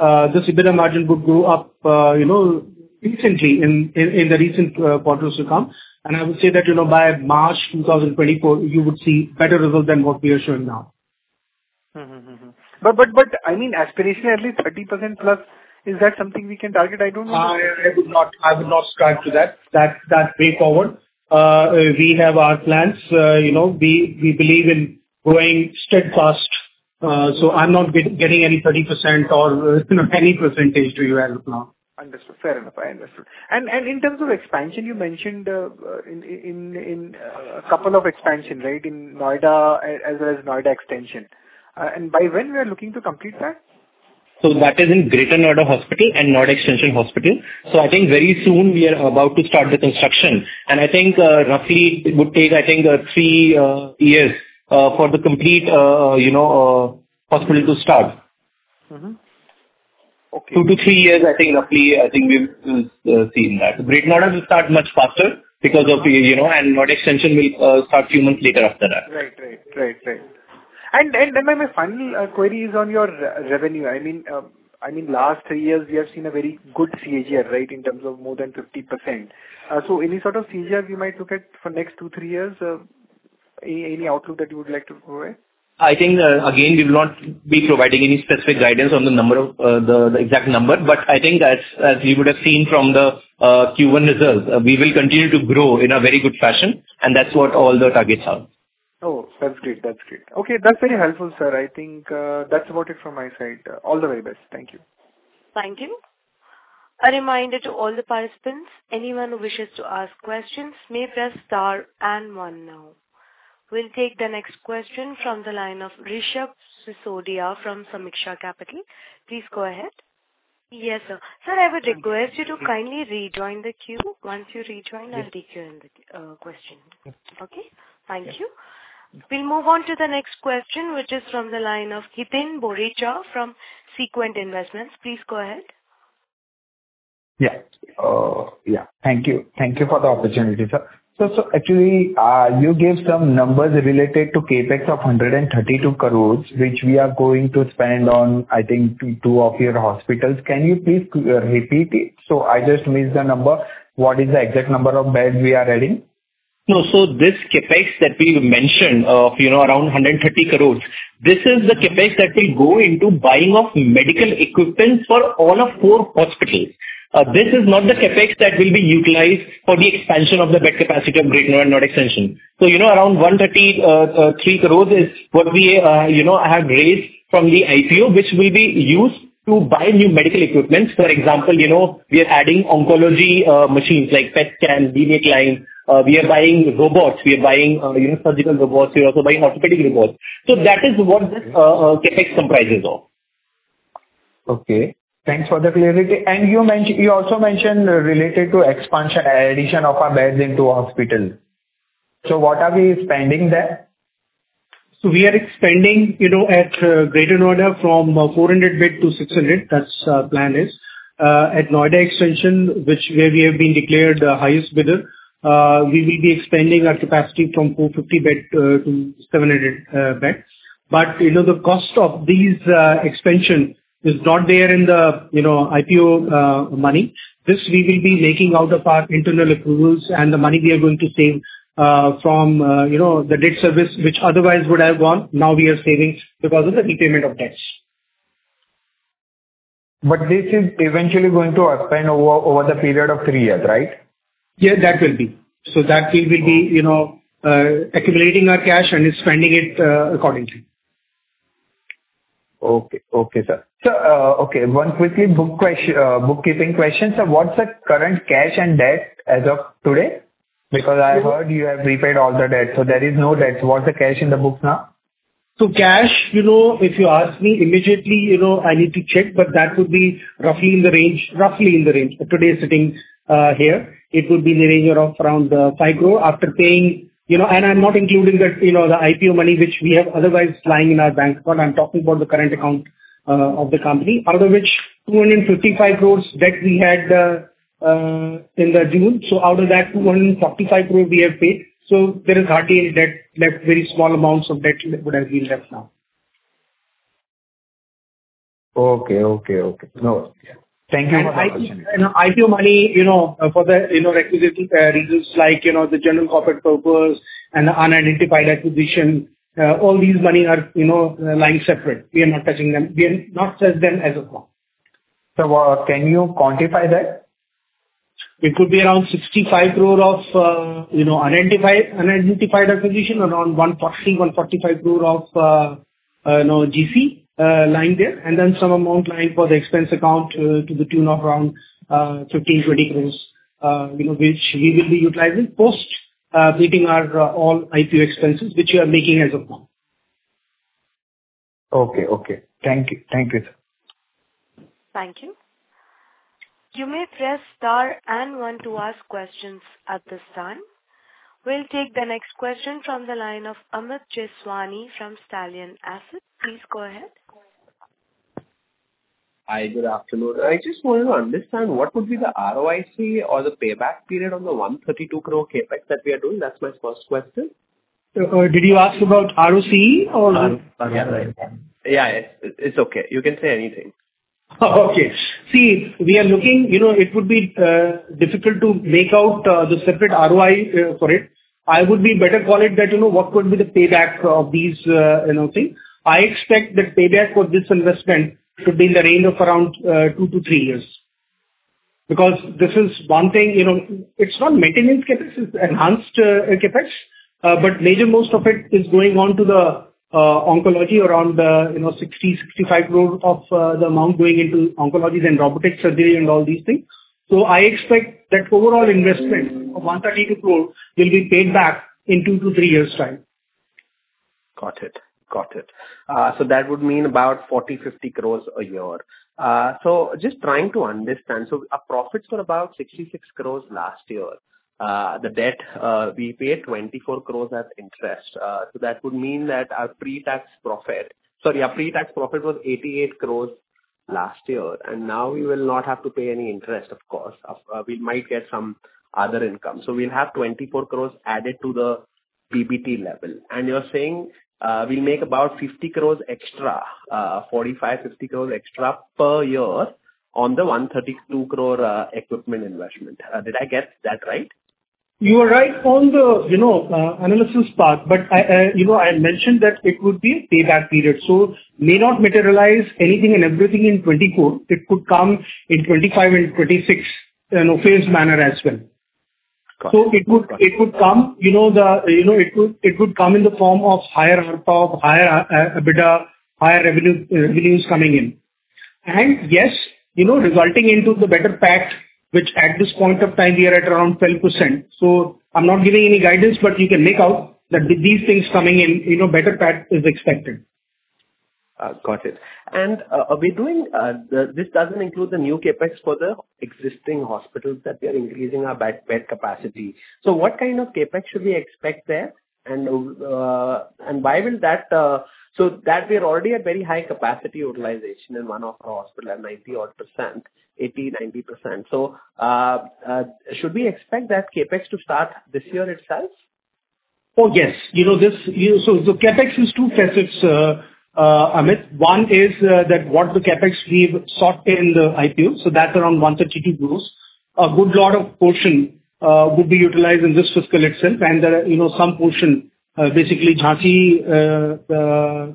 EBITDA margin would go up, you know, instantly in, in, in the recent quarters to come. I would say that, you know, by March 2024, you would see better results than what we are showing now. Mm-hmm. Mm-hmm. Mm-hmm. I mean, aspirationally, at least 30% plus, is that something we can target? I don't know. I, I would not, I would not ascribe to that. That's, that way forward. We have our plans, you know, we, we believe in going steadfast, so I'm not giving, giving any 30% or, you know, any percentage to you as of now. Understood. Fair enough. I understood. In terms of expansion, you mentioned couple of expansion, right? In Noida, as well as Noida Extension. By when we are looking to complete that? That is in Greater Noida hospital and Noida Extension Hospital. I think very soon we are about to start the construction, and I think roughly it would take, I think, three years for the complete, you know, hospital to start. Mm-hmm. Okay. two to three years, I think roughly, I think we've seen that. Greater Noida will start much faster because of the... You know, Noida Extension will start few months later after that. Right. Right. Right, right. And, and my, my final query is on your re- revenue. I mean, I mean, last three years, we have seen a very good CAGR, right, in terms of more than 50%. Any sort of CAGR you might look at for next two, three years? Any, any outlook that you would like to provide? I think, again, we will not be providing any specific guidance on the number of, the, the exact number, but I think as, as we would have seen from the, Q1 results, we will continue to grow in a very good fashion, and that's what all the targets are. Oh, that's great. That's great. Okay, that's very helpful, sir. I think, that's about it from my side. All the very best. Thank you. Thank you. A reminder to all the participants, anyone who wishes to ask questions, may press star and one now. We'll take the next question from the line of Reshab Sisodiya from Sameeksha Capital. Please go ahead. Yes, sir. Sir, I would request you to kindly rejoin the queue. Once you rejoin- Yes. I'll take your question. Okay. Okay? Thank you. Yeah. We'll move on to the next question, which is from the line of Hitin Boreja from Sequent Investments. Please go ahead. Yeah. Yeah, thank you. Thank you for the opportunity, sir. Actually, you gave some numbers related to CapEx of 132 crore, which we are going to spend on, two of your hospitals. Can you please repeat it? I just missed the number. What is the exact number of beds we are adding? No, this CapEx that we mentioned, you know, around 130 crore, this is the CapEx that will go into buying of medical equipments for all of four hospitals. This is not the CapEx that will be utilized for the expansion of the bed capacity of Greater Noida and Noida Extension. You know, around 133 crore is what we, you know, have raised from the IPO, which will be used to buy new medical equipments. For example, you know, we are adding oncology machines like PET scan, LINAC. We are buying robots. We are buying, you know, surgical robots. We are also buying orthopedic robots. That is what this CapEx comprises of. Okay, thanks for the clarity. You also mentioned related to expansion, addition of our beds into hospital. What are we spending there? We are expanding, you know, at Greater Noida from 400 bed to 600. That's our plan is.... at Noida Extension, which where we have been declared the highest bidder, we will be expanding our capacity from 250 bed to 700 beds. You know, the cost of these expansion is not there in the, you know, IPO money. This we will be making out of our internal approvals and the money we are going to save from, you know, the debt service, which otherwise would have gone, now we are saving because of the repayment of debts. This is eventually going to expand over, over the period of three years, right? Yeah, that will be. That will be the, you know, accumulating our cash and spending it, accordingly. Okay. Okay, sir. Okay, one quickly bookkeeping question: What's the current cash and debt as of today? Because I heard you have repaid all the debt, so there is no debt. What's the cash in the books now? Cash, you know, if you ask me immediately, you know, I need to check, but that would be roughly in the range, roughly in the range. Today sitting here, it would be in the range of around 5 crore after paying... You know, and I'm not including the, you know, the IPO money, which we have otherwise lying in our bank, but I'm talking about the current account of the company, out of which 255 crore debt we had in June. Out of that, 245 crore we have paid. There is hardly any debt left, very small amounts of debt that would have been left now. Okay, okay, okay. No, thank you for that. IPO, you know, IPO money, you know, for the, you know, acquisition reasons like, you know, the general corporate purpose and unidentified acquisition, all these money are, you know, lying separate. We are not touching them. We have not touched them as of now. Can you quantify that? It could be around 65 crore of, you know, unidentified, unidentified acquisition, around 140 crore-145 crore of, you know, GC, lying there, and then some amount lying for the expense account, to the tune of around 15 crore-20 crore, you know, which we will be utilizing post, meeting our, all IPO expenses, which we are making as of now. Okay, okay. Thank you. Thank you, sir. Thank you. You may press star and one to ask questions at this time. We'll take the next question from the line of Amit Jeswani from Stallion Asset. Please go ahead. Hi, good afternoon. I just wanted to understand what would be the ROIC or the payback period on the 132 crore CapEx that we are doing? That's my first question. Did you ask about ROCE or-? Yeah, right. Yeah, it, it's okay. You can say anything. See, we are looking... You know, it would be difficult to make out the separate ROI for it. I would be better call it that, you know, what would be the payback of these, you know, thing. I expect the payback for this investment to be in the range of around two to thres years. This is one thing, you know, it's not maintenance CapEx, it's enhanced CapEx, but major most of it is going on to the oncology around, you know, 60 crore-65 crore of the amount going into oncologies and robotic surgery and all these things. I expect that overall investment of 132 crore will be paid back in two to three years' time. Got it. Got it. That would mean about 40 crore- 50 crore a year. Just trying to understand, our profits were about 66 crore last year. The debt, we paid 24 crore as interest. That would mean that our pre-tax profit, sorry, our pre-tax profit was 88 crore last year, now we will not have to pay any interest, of course. We might get some other income. We'll have 24 crore added to the PBT level. You're saying, we make about 50 crore extra, 45 crore-50 crore extra per year on the 132 crore equipment investment. Did I get that right? You are right on the, you know, analysis part, but I, you know, I mentioned that it would be payback period, so may not materialize anything and everything in 2024. It could come in 2025 and 2026, in a phased manner as well. Got it. It would, it would come, you know, the, you know, it would, it would come in the form of higher ARPOB, higher EBITDA, higher revenue, revenues coming in. Yes, you know, resulting into the better PAT, which at this point of time, we are at around 12%. I'm not giving any guidance, but you can make out that with these things coming in, you know, better PAT is expected. Got it. This doesn't include the new CapEx for the existing hospitals that we are increasing our bed, bed capacity. What kind of CapEx should we expect there, and why will that? So that we are already at very high capacity utilization in one of our hospital, 90% odd, 80%-90%. Should we expect that CapEx to start this year itself? Oh, yes. You know, this, you know, the CapEx is two facets, Amit. One is that what the CapEx we sought in the IPO, so that's around 132 crore. A good lot of portion would be utilized in this fiscal itself. You know, some portion, basically Jhansi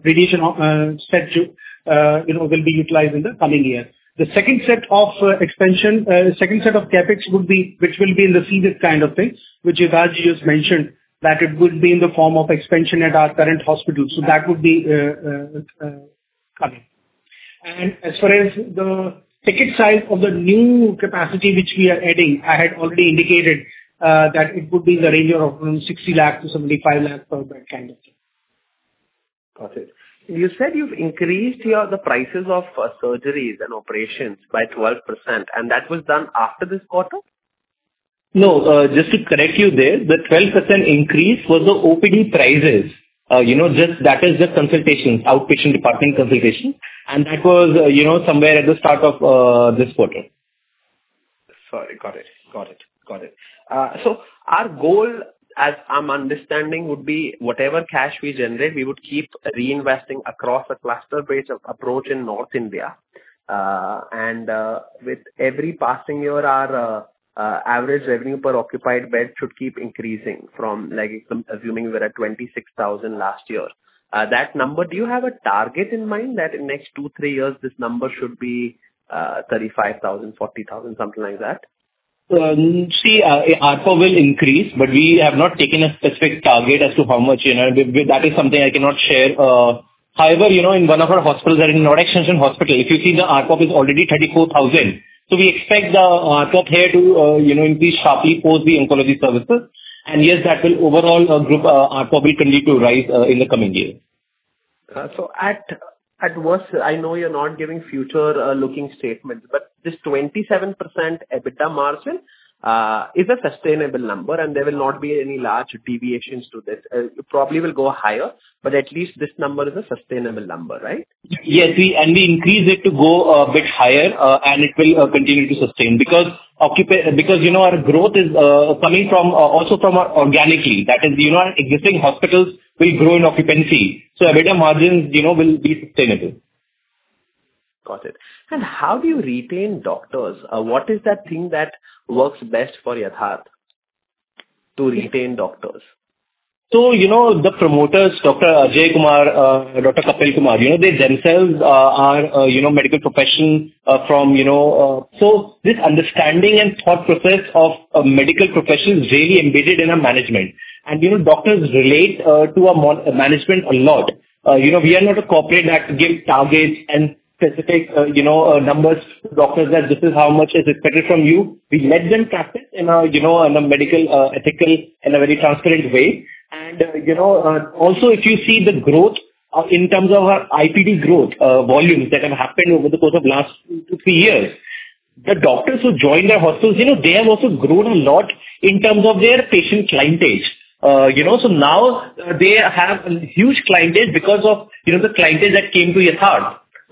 radiation set, you know, will be utilized in the coming year. The second set of expansion, second set of CapEx would be, which will be in the CapEx kind of things, which Vijay just mentioned, that it would be in the form of expansion at our current hospital. That would be coming. As far as the ticket size of the new capacity which we are adding, I had already indicated, that it would be in the range of around 60 lakh-75 lakh per bed kind of thing. Got it. You said you've increased your, the prices of, surgeries and operations by 12%. That was done after this quarter? No, just to correct you there, the 12% increase was the OPD prices. You know, just that is just consultations, outpatient department consultations, and that was, you know, somewhere at the start of this quarter. Sorry. Got it. Got it. Got it. Our goal, as I'm understanding, would be whatever cash we generate, we would keep reinvesting across a cluster base of approach in North India. With every passing year, our average revenue per occupied bed should keep increasing from, like, assuming we're at 26,000 last year. That number, do you have a target in mind that in next two, three years, this number should be 35,000, 40,000, something like that? See, ARPO will increase, but we have not taken a specific target as to how much, you know. That is something I cannot share. However, you know, in one of our hospitals, that in Noida Extension Hospital, if you see the ARPO is already 34,000. We expect the ARPO here to, you know, increase sharply post the oncology services. Yes, that will overall group ARPO will continue to rise in the coming years. At, at worst, I know you're not giving future, looking statements, but this 27% EBITDA margin is a sustainable number, and there will not be any large deviations to this. It probably will go higher, but at least this number is a sustainable number, right? Yes, we. We increase it to go a bit higher, and it will continue to sustain. Because, you know, our growth is coming from, also from our organically. That is, you know, our existing hospitals will grow in occupancy. EBITDA margins, you know, will be sustainable. Got it. How do you retain doctors? What is that thing that works best for Yatharth to retain doctors? You know, the promoters, Dr. Ajay Kumar, Dr. Kapil Kumar, you know, they themselves are, you know, medical profession from, you know... This understanding and thought process of a medical profession is very embedded in our management. You know, doctors relate to our management a lot. You know, we are not a corporate that give targets and specific, you know, numbers to doctors, that this is how much is expected from you. We let them practice in a, you know, in a medical, ethical and a very transparent way. You know, also, if you see the growth in terms of our IPD growth volumes that have happened over the course of last two to three years, the doctors who joined our hospitals, you know, they have also grown a lot in terms of their patient clientage. You know, so now they have a huge clientage because of, you know, the clientage that came to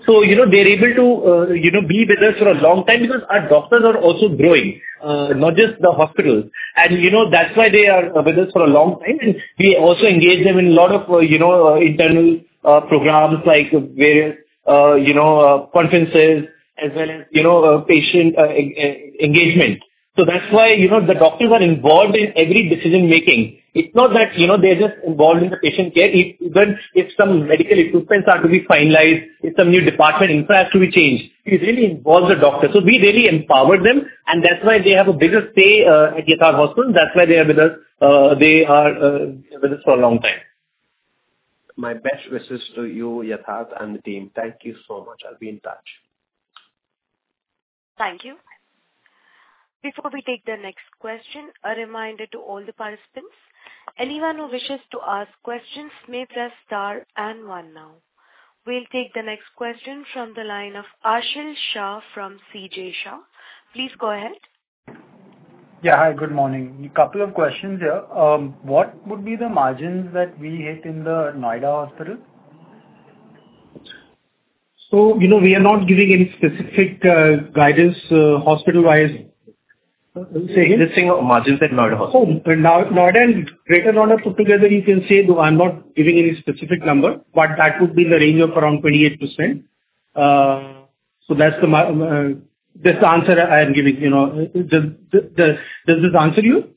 Yatharth. You know, they're able to, you know, be with us for a long time because our doctors are also growing, not just the hospital. You know, that's why they are with us for a long time, and we also engage them in a lot of, you know, internal programs, like various, you know, conferences, as well as, you know, patient engagement. That's why, you know, the doctors are involved in every decision-making. It's not that, you know, they're just involved in the patient care. Even if some medical equipment are to be finalized, if some new department infra has to be changed, we really involve the doctors. We really empower them, and that's why they have a bigger say at Yatharth Hospital. That's why they are with us, they are with us for a long time. My best wishes to you, Yatharth, and the team. Thank you so much. I'll be in touch. Thank you. Before we take the next question, a reminder to all the participants, anyone who wishes to ask questions may press star and one now. We'll take the next question from the line of Ashil Shah from CJ Shah. Please go ahead. Yeah. Hi, good morning. A couple of questions here. What would be the margins that we hit in the Noida hospital? you know, we are not giving any specific guidance, hospital-wise. Say again? Existing margins at Noida hospital. Oh, Noida and Greater Noida put together, you can say, though I'm not giving any specific number, but that would be in the range of around 28%. That's the answer I am giving, you know. Does, does, does this answer you?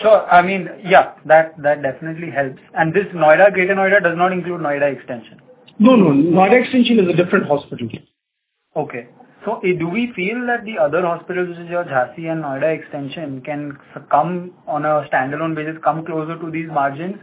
I mean, yeah, that, that definitely helps. This Noida, Greater Noida does not include Noida Extension? No, no. Noida Extension is a different hospital. Okay. Do we feel that the other hospitals, which is your Jhansi and Noida Extension, can come on a standalone basis, come closer to these margins?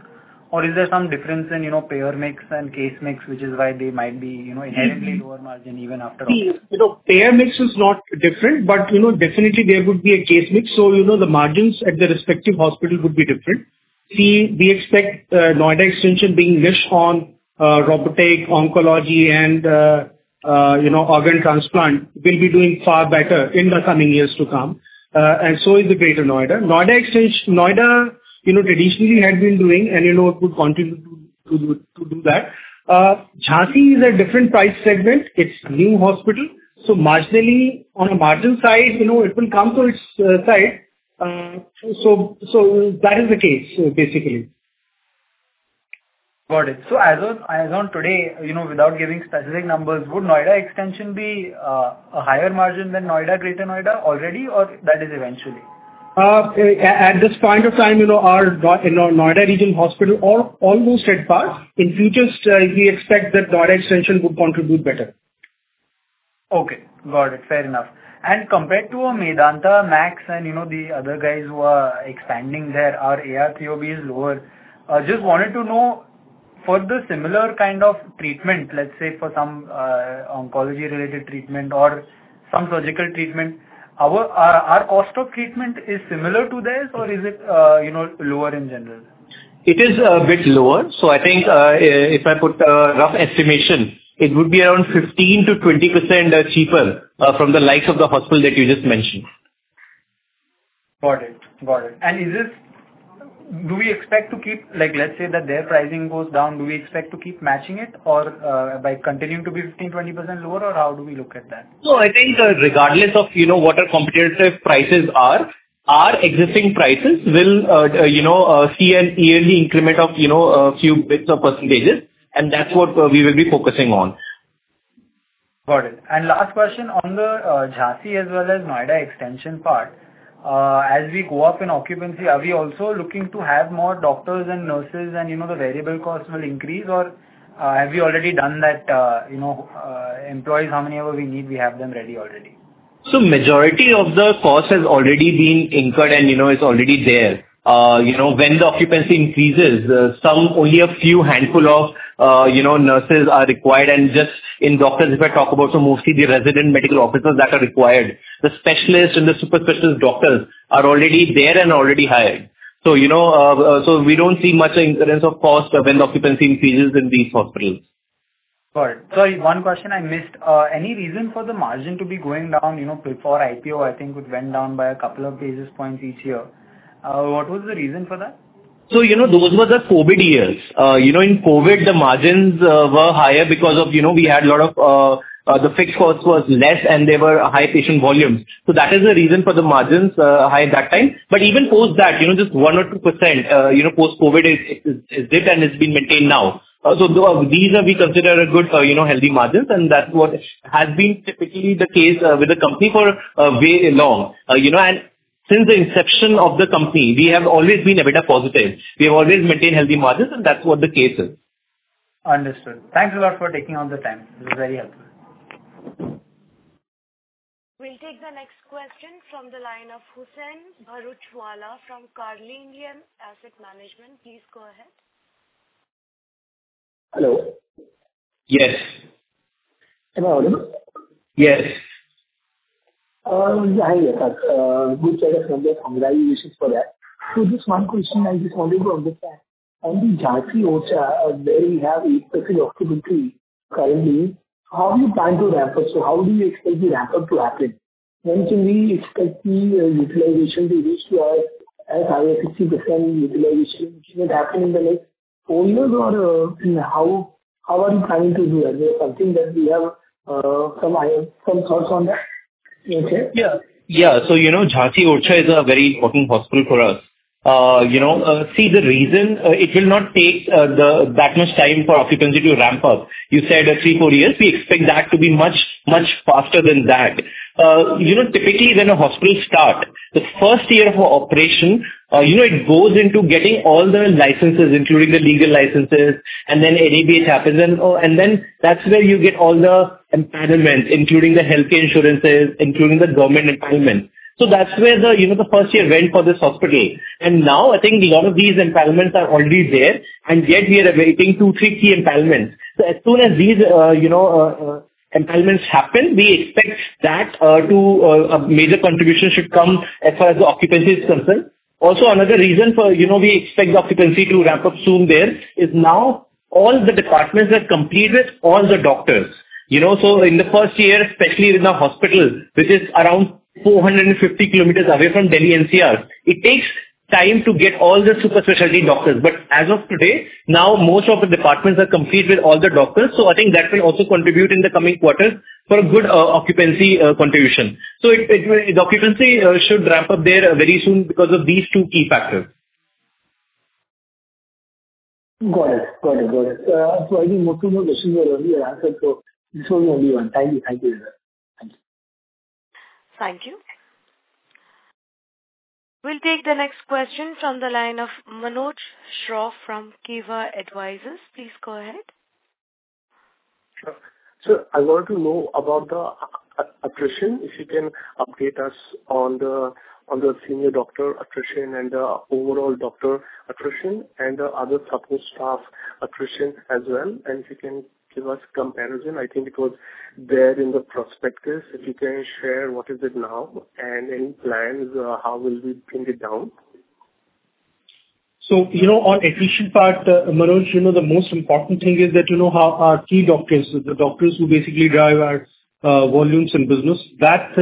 Or is there some difference in, you know, payer mix and case mix, which is why they might be, you know, inherently lower margin even after all? You know, payer mix is not different, but, you know, definitely there would be a case mix. You know, the margins at the respective hospital would be different. We expect Noida Extension being rich on robotic, oncology and, you know, organ transplant, will be doing far better in the coming years to come. So is the Greater Noida. Noida, you know, traditionally had been doing and, you know, it would continue to, to, to do that. Jhansi is a different price segment. It's a new hospital, so marginally, on a margin side, you know, it will come to its side. So, that is the case, basically. Got it. As of, as on today, you know, without giving specific numbers, would Noida Extension be a higher margin than Noida, Greater Noida already, or that is eventually? At this point of time, you know, our Noida regional hospital are almost at par. In future, we expect that Noida Extension would contribute better. Okay, got it. Fair enough. Compared to a Medanta, Max, and, you know, the other guys who are expanding there, our ARPOB is lower. Just wanted to know, for the similar kind of treatment, let's say, for some, oncology-related treatment or some surgical treatment, our, our cost of treatment is similar to theirs, or is it, you know, lower in general?... It is a bit lower. I think, if I put a rough estimation, it would be around 15%-20% cheaper, from the likes of the hospital that you just mentioned. Got it. Got it. Is this, do we expect to keep, like, let's say that their pricing goes down, do we expect to keep matching it or, by continuing to be 15%-20% lower, or how do we look at that? No, I think, regardless of, you know, what our competitive prices are, our existing prices will, you know, see an yearly increment of, you know, a few bits of % and that's what we will be focusing on. Got it. Last question on the, Jhansi as well as Noida Extension part. As we go up in occupancy, are we also looking to have more doctors and nurses and, you know, the variable costs will increase, or, have you already done that, you know, employees, how many ever we need, we have them ready already? Majority of the cost has already been incurred and, you know, is already there. You know, when the occupancy increases, some only a few handful of, you know, nurses are required. Just in doctors, if I talk about, so mostly the resident medical officers that are required. The specialists and the super specialist doctors are already there and already hired. You know, so we don't see much incidence of cost when the occupancy increases in these hospitals. Got it. Sorry, one question I missed. Any reason for the margin to be going down, you know, before IPO, I think it went down by a couple of basis points each year? What was the reason for that? You know, those were the COVID years. You know, in COVID, the margins were higher because of, you know, we had a lot of the fixed cost was less, and there were high patient volumes. That is the reason for the margins high at that time. Even post that, you know, just 1% or 2%, you know, post-COVID is, is, is it, and it's been maintained now. Though these we consider a good, you know, healthy margins, and that's what has been typically the case with the company for very long. You know, since the inception of the company, we have always been a bit of positive. We have always maintained healthy margins, and that's what the case is. Understood. Thanks a lot for taking out the time. This is very helpful. We'll take the next question from the line of Huseain Bharuchwala from Carnelian Asset Management. Please go ahead. Hello. Yes. Am I audible? Yes. Hi, yeah, good quarter from there, congratulations for that. Just one question I just wanted to understand. On the Jhansi-Orchha, where we have 8% occupancy currently, how do you plan to ramp up? How do you expect the ramp-up to happen? When can we expect the utilization to reach to our as high as 60% utilization, which would happen in the like four years or, how, how are you planning to do it? Is there something that we have, some idea, some thoughts on that? Okay. Yeah. Yeah. So, you know, Jhansi-Orchha is a very important hospital for us. You know, the reason it will not take that much time for occupancy to ramp up. You said three, four years, we expect that to be much, much faster than that. You know, typically, when a hospital starts, the first year of operation, you know, it goes into getting all the licenses, including the legal licenses, and then NABH happens, and then that's where you get all the empowerment, including the healthcare insurances, including the government empowerment. So that's where, you know, the first year went for this hospital. And now I think a lot of these empowerments are already there, and yet we are awaiting two, three key empowerment. As soon as these, you know, empowerments happen, we expect that to a major contribution should come as far as the occupancy is concerned. Also, another reason for, you know, we expect the occupancy to ramp up soon there, is now all the departments are complete with all the doctors. You know, in the first year, especially in a hospital which is around 450 kilometers away from Delhi NCR, it takes time to get all the super specialty doctors. As of today, now most of the departments are complete with all the doctors. I think that will also contribute in the coming quarter for a good occupancy contribution. It, it, the occupancy should ramp up there very soon because of these two key factors. Got it. Got it, got it. I think most of my questions were already answered, so this was only one. Thank you. Thank you, sir. Thank you. Thank you. We'll take the next question from the line of Manoj Shroff from Keva Advisors. Please go ahead. Sure. I want to know about the attrition. If you can update us on the, on the senior doctor attrition and the overall doctor attrition and the other support staff attrition as well. If you can give us comparison, I think it was there in the prospectus. If you can share, what is it now? Any plans, how will we bring it down? You know, on attrition part, Manoj, you know, the most important thing is that you know, how our key doctors, the doctors who basically drive our volumes and business, that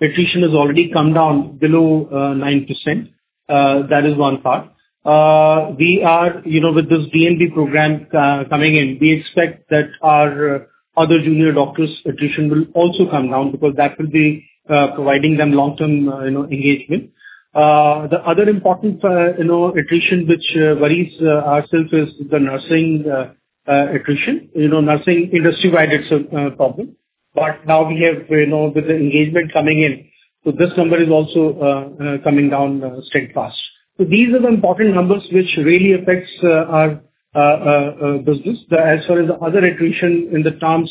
attrition has already come down below 9%. That is one part. We are, you know, with this DNB program coming in, we expect that our other junior doctors attrition will also come down because that will be providing them long-term, you know, engagement. The other important, you know, attrition, which worries ourselves is the nursing attrition. You know, nursing industry-wide, it's a problem, but now we have, you know, with the engagement coming in, so this number is also coming down quite fast. These are the important numbers which really affects our business. As far as the other attrition in the terms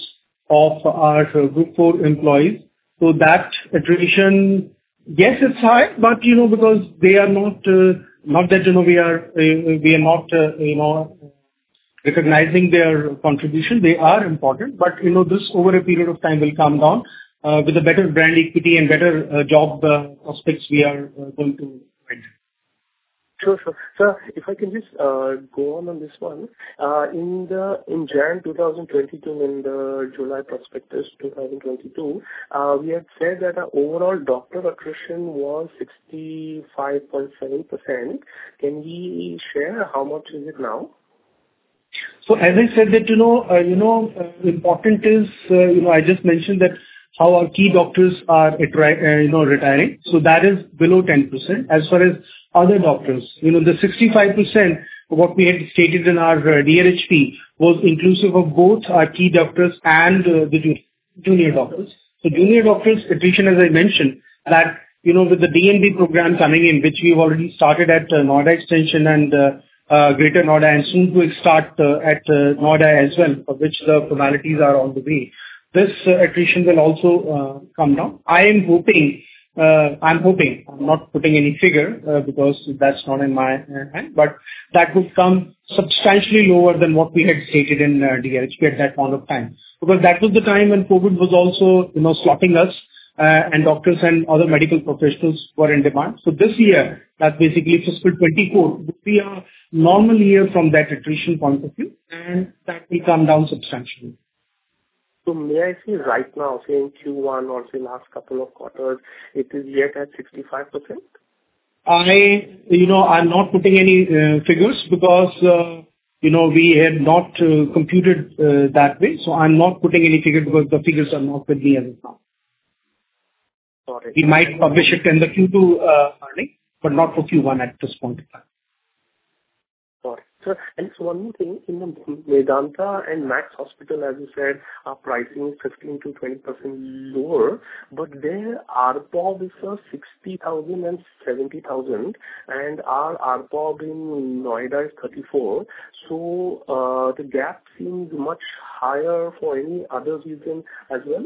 of our group four employees, so that attrition, yes, it's high, but, you know, because they are not, not that, you know, we are, we are not, recognizing their contribution, they are important, but, you know, this over a period of time will come down, with a better brand equity and better, job, prospects we are going to find. Sure, sir. Sir, if I can just go on, on this one. In the, in January 2022, in the July prospectus 2022, we had said that our overall doctor attrition was 65.7%. Can we share how much is it now? As I said that, you know, you know, important is, you know, I just mentioned that how our key doctors are retri- you know, retiring. That is below 10%. As far as other doctors, you know, the 65%, what we had stated in our DRHP was inclusive of both our key doctors and the junior, junior doctors. Junior doctors attrition, as I mentioned, that, you know, with the DNB program coming in, which we've already started at Noida Extension and Greater Noida, and soon will start at Noida as well, for which the formalities are on the way. This attrition will also come down. I am hoping, I'm hoping, I'm not putting any figure, because that's not in my hand, but that would come substantially lower than what we had stated in DRHP at that point of time. Because that was the time when COVID was also, you know, slapping us, and doctors and other medical professionals were in demand. This year, that basically fiscal 2024, would be our normal year from that attrition point of view, and that will come down substantially. May I see right now, say in Q1 or the last couple of quarters, it is yet at 65%? You know, I'm not putting any figures because, you know, we had not computed that way. I'm not putting any figure because the figures are not with me as of now. Got it. We might publish it in the Q2 earnings, but not for Q1 at this point in time. Got it. Sir, one more thing, in the Medanta and Max Healthcare, as you said, our pricing is 15%-20% lower, their ARPOB is 60,000 and 70,000, and our ARPOB in Noida is 34. The gap seems much higher for any other reason as well?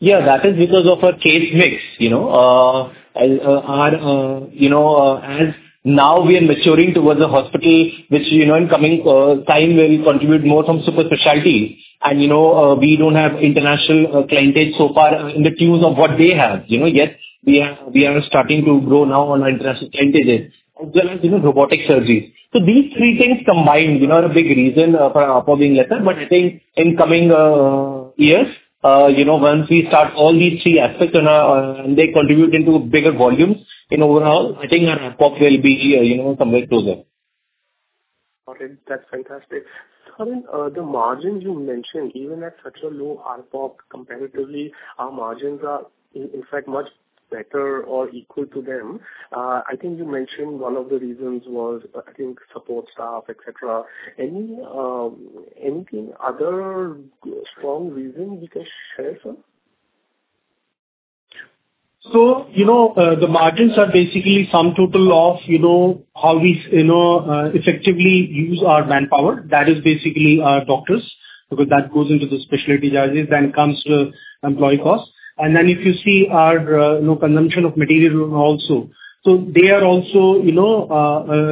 Yeah, that is because of our case mix, you know, and our, you know, as now we are maturing towards a hospital, which, you know, in coming time will contribute more from super specialty. You know, we don't have international clientele so far in the tunes of what they have. You know, yet we are, we are starting to grow now on our international clienteles, as well as, you know, robotic surgeries. These three things combined, you know, are a big reason for our ARPOB being lesser. I think in coming years, you know, once we start all these three aspects and they contribute into bigger volumes in overall, I think our ARPOB will be, you know, somewhere closer. Got it. That's fantastic. Sir, the margins you mentioned, even at such a low ARPO comparatively, our margins are in, in fact, much better or equal to them. I think you mentioned one of the reasons was, I think, support staff, et cetera. Any, anything other strong reason you can share, sir? You know, the margins are basically sum total of, you know, how we, you know, effectively use our manpower. That is basically our doctors, because that goes into the specialty charges, then comes to employee costs. Then if you see our, you know, consumption of material also. They are also, you know,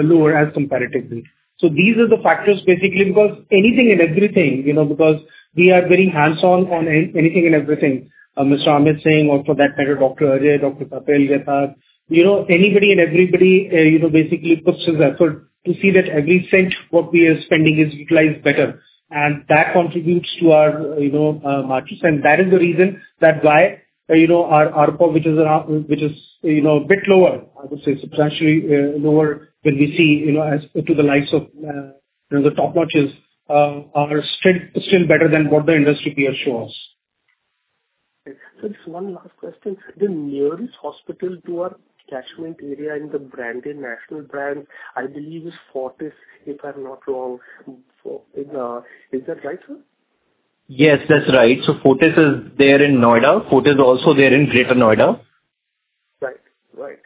lower as comparatively. These are the factors basically because anything and everything, you know, because we are very hands-on on anything and everything. Mr. Amit Singh, or for that matter, Dr. Ajay, Dr. Patel, you know, anybody and everybody, you know, basically puts his effort to see that every cent what we are spending is utilized better. That contributes to our, you know, margins. That is the reason that why, you know, our ARPOB, which is, which is, you know, a bit lower, I would say substantially lower when we see, you know, as to the likes of, you know, the top notches, are still, still better than what the industry peers show us. Sir, just one last question. The nearest hospital to our catchment area in the branded national brand, I believe, is Fortis, if I'm not wrong. Is that right, sir? Yes, that's right. Fortis is there in Noida. Fortis is also there in Greater Noida. Right. Right.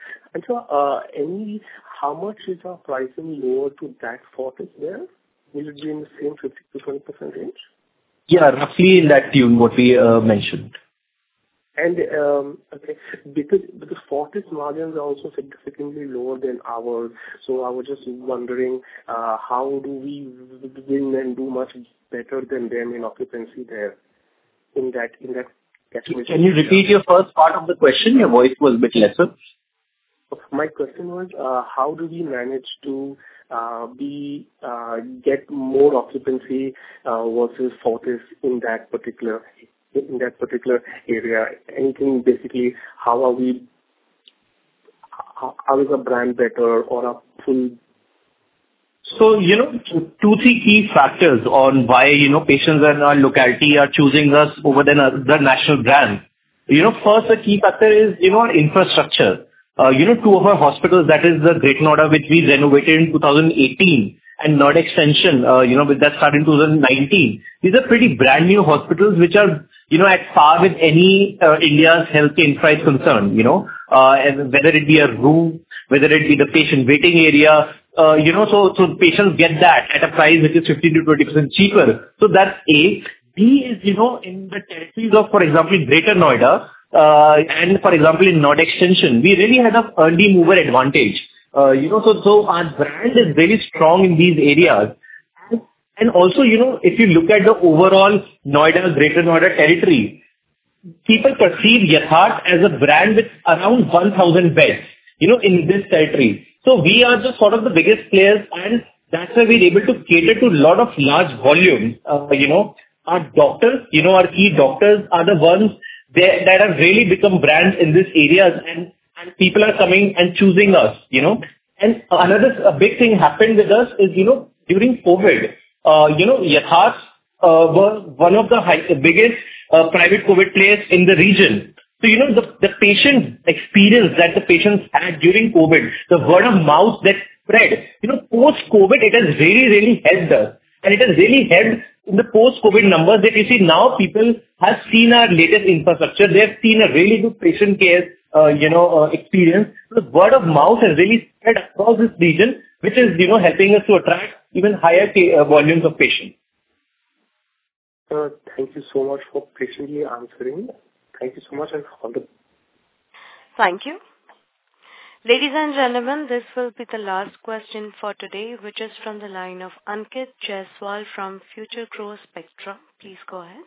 How much is our pricing lower to that Fortis there? Will it be in the same 50%-20% range? Yeah, roughly in that tune, what we mentioned. Okay, because Fortis margins are also significantly lower than ours. I was just wondering, how do we win and do much better than them in occupancy there in that, in that catchment? Can you repeat your first part of the question? Your voice was a bit lesser. My question was, how do we manage to get more occupancy versus Fortis in that particular, in that particular area? Anything, basically, how are we... how is our brand better or our team? You know, two, three key factors on why, you know, patients in our locality are choosing us over the national brand. You know, first, the key factor is, you know, infrastructure. You know, two of our hospitals, that is the Greater Noida, which we renovated in 2018, and Noida Extension, you know, with that start in 2019. These are pretty brand-new hospitals, which are, you know, at par with any India's healthcare inside concern, you know, and whether it be a room, whether it be the patient waiting area, you know, so patients get that at a price which is 15%-20% cheaper. That's A. B is, you know, in the territories of, for example, in Greater Noida, and for example, in Noida Extension, we really had an early mover advantage. you know, so, so our brand is very strong in these areas. Also, you know, if you look at the overall Noida and Greater Noida territory. People perceive Yatharth as a brand with around 1,000 beds, you know, in this territory. We are just one of the biggest players, and that's why we're able to cater to a lot of large volumes. you know, our doctors, you know, our e-doctors are the ones that, that have really become brands in these areas, and, and people are coming and choosing us, you know. Another, a big thing happened with us is, you know, during COVID, you know, Yatharth, was one of the biggest, private COVID players in the region. You know, the, the patient experience that the patients had during COVID, the word of mouth that spread. You know, post-COVID, it has really, really helped us, and it has really helped in the post-COVID numbers. You see now people have seen our latest infrastructure. They have seen a really good patient care, you know, experience. The word of mouth has really spread across this region, which is, you know, helping us to attract even higher volumes of patients. Sir, thank you so much for patiently answering. Thank you so much and all the best. Thank you. Ladies and gentlemen, this will be the last question for today, which is from the line of Ankit Jaiswal from Future Growth Spectra. Please go ahead.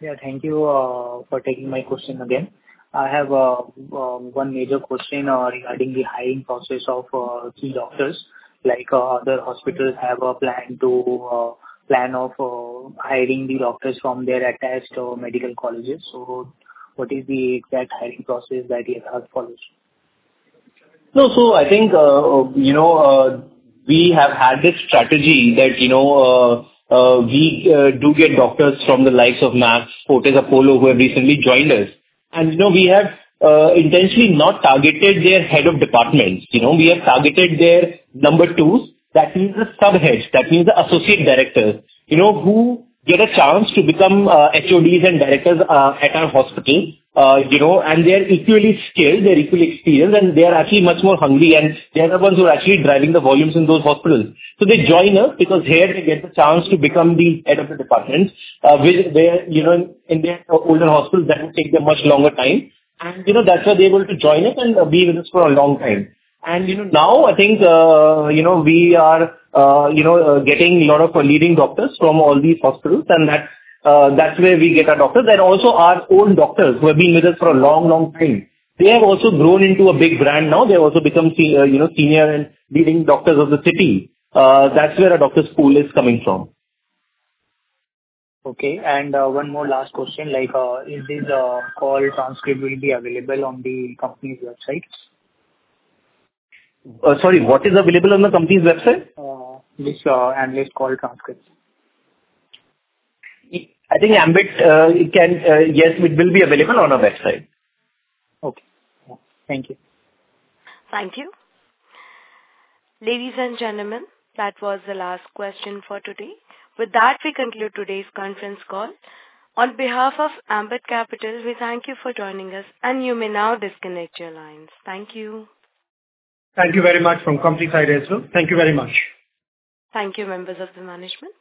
Yeah, thank you, for taking my question again. I have one major question regarding the hiring process of the doctors. Like, other hospitals have a plan to plan of hiring the doctors from their attached medical colleges. What is the exact hiring process that Yatharth follows? I think, you know, we have had this strategy that, you know, we do get doctors from the likes of Max, Fortis, Apollo, who have recently joined us. We have intentionally not targeted their head of departments. You know, we have targeted their number twos. That means the subheads, that means the associate directors, you know, who get a chance to become HODs and directors at our hospital. They are equally skilled, they're equally experienced, and they are actually much more hungry, and they are the ones who are actually driving the volumes in those hospitals. They join us because here they get the chance to become the head of the departments, which where, you know, in their older hospitals, that will take a much longer time. You know, that's why they're able to join us and be with us for a long time. You know, now I think, you know, we are, you know, getting a lot of leading doctors from all these hospitals, and that, that's where we get our doctors. Also our own doctors who have been with us for a long, long time, they have also grown into a big brand now. They've also become, you know, senior and leading doctors of the city. That's where our doctor pool is coming from. Okay, one more last question, like, is this call transcript will be available on the company's website? sorry, what is available on the company's website? This, analyst call transcript. I think Ambit, it can. Yes, it will be available on our website. Okay. Thank you. Thank you. Ladies and gentlemen, that was the last question for today. With that, we conclude today's conference call. On behalf of Ambit Capital, we thank you for joining us. You may now disconnect your lines. Thank you. Thank you very much from company side as well. Thank you very much. Thank you, members of the management.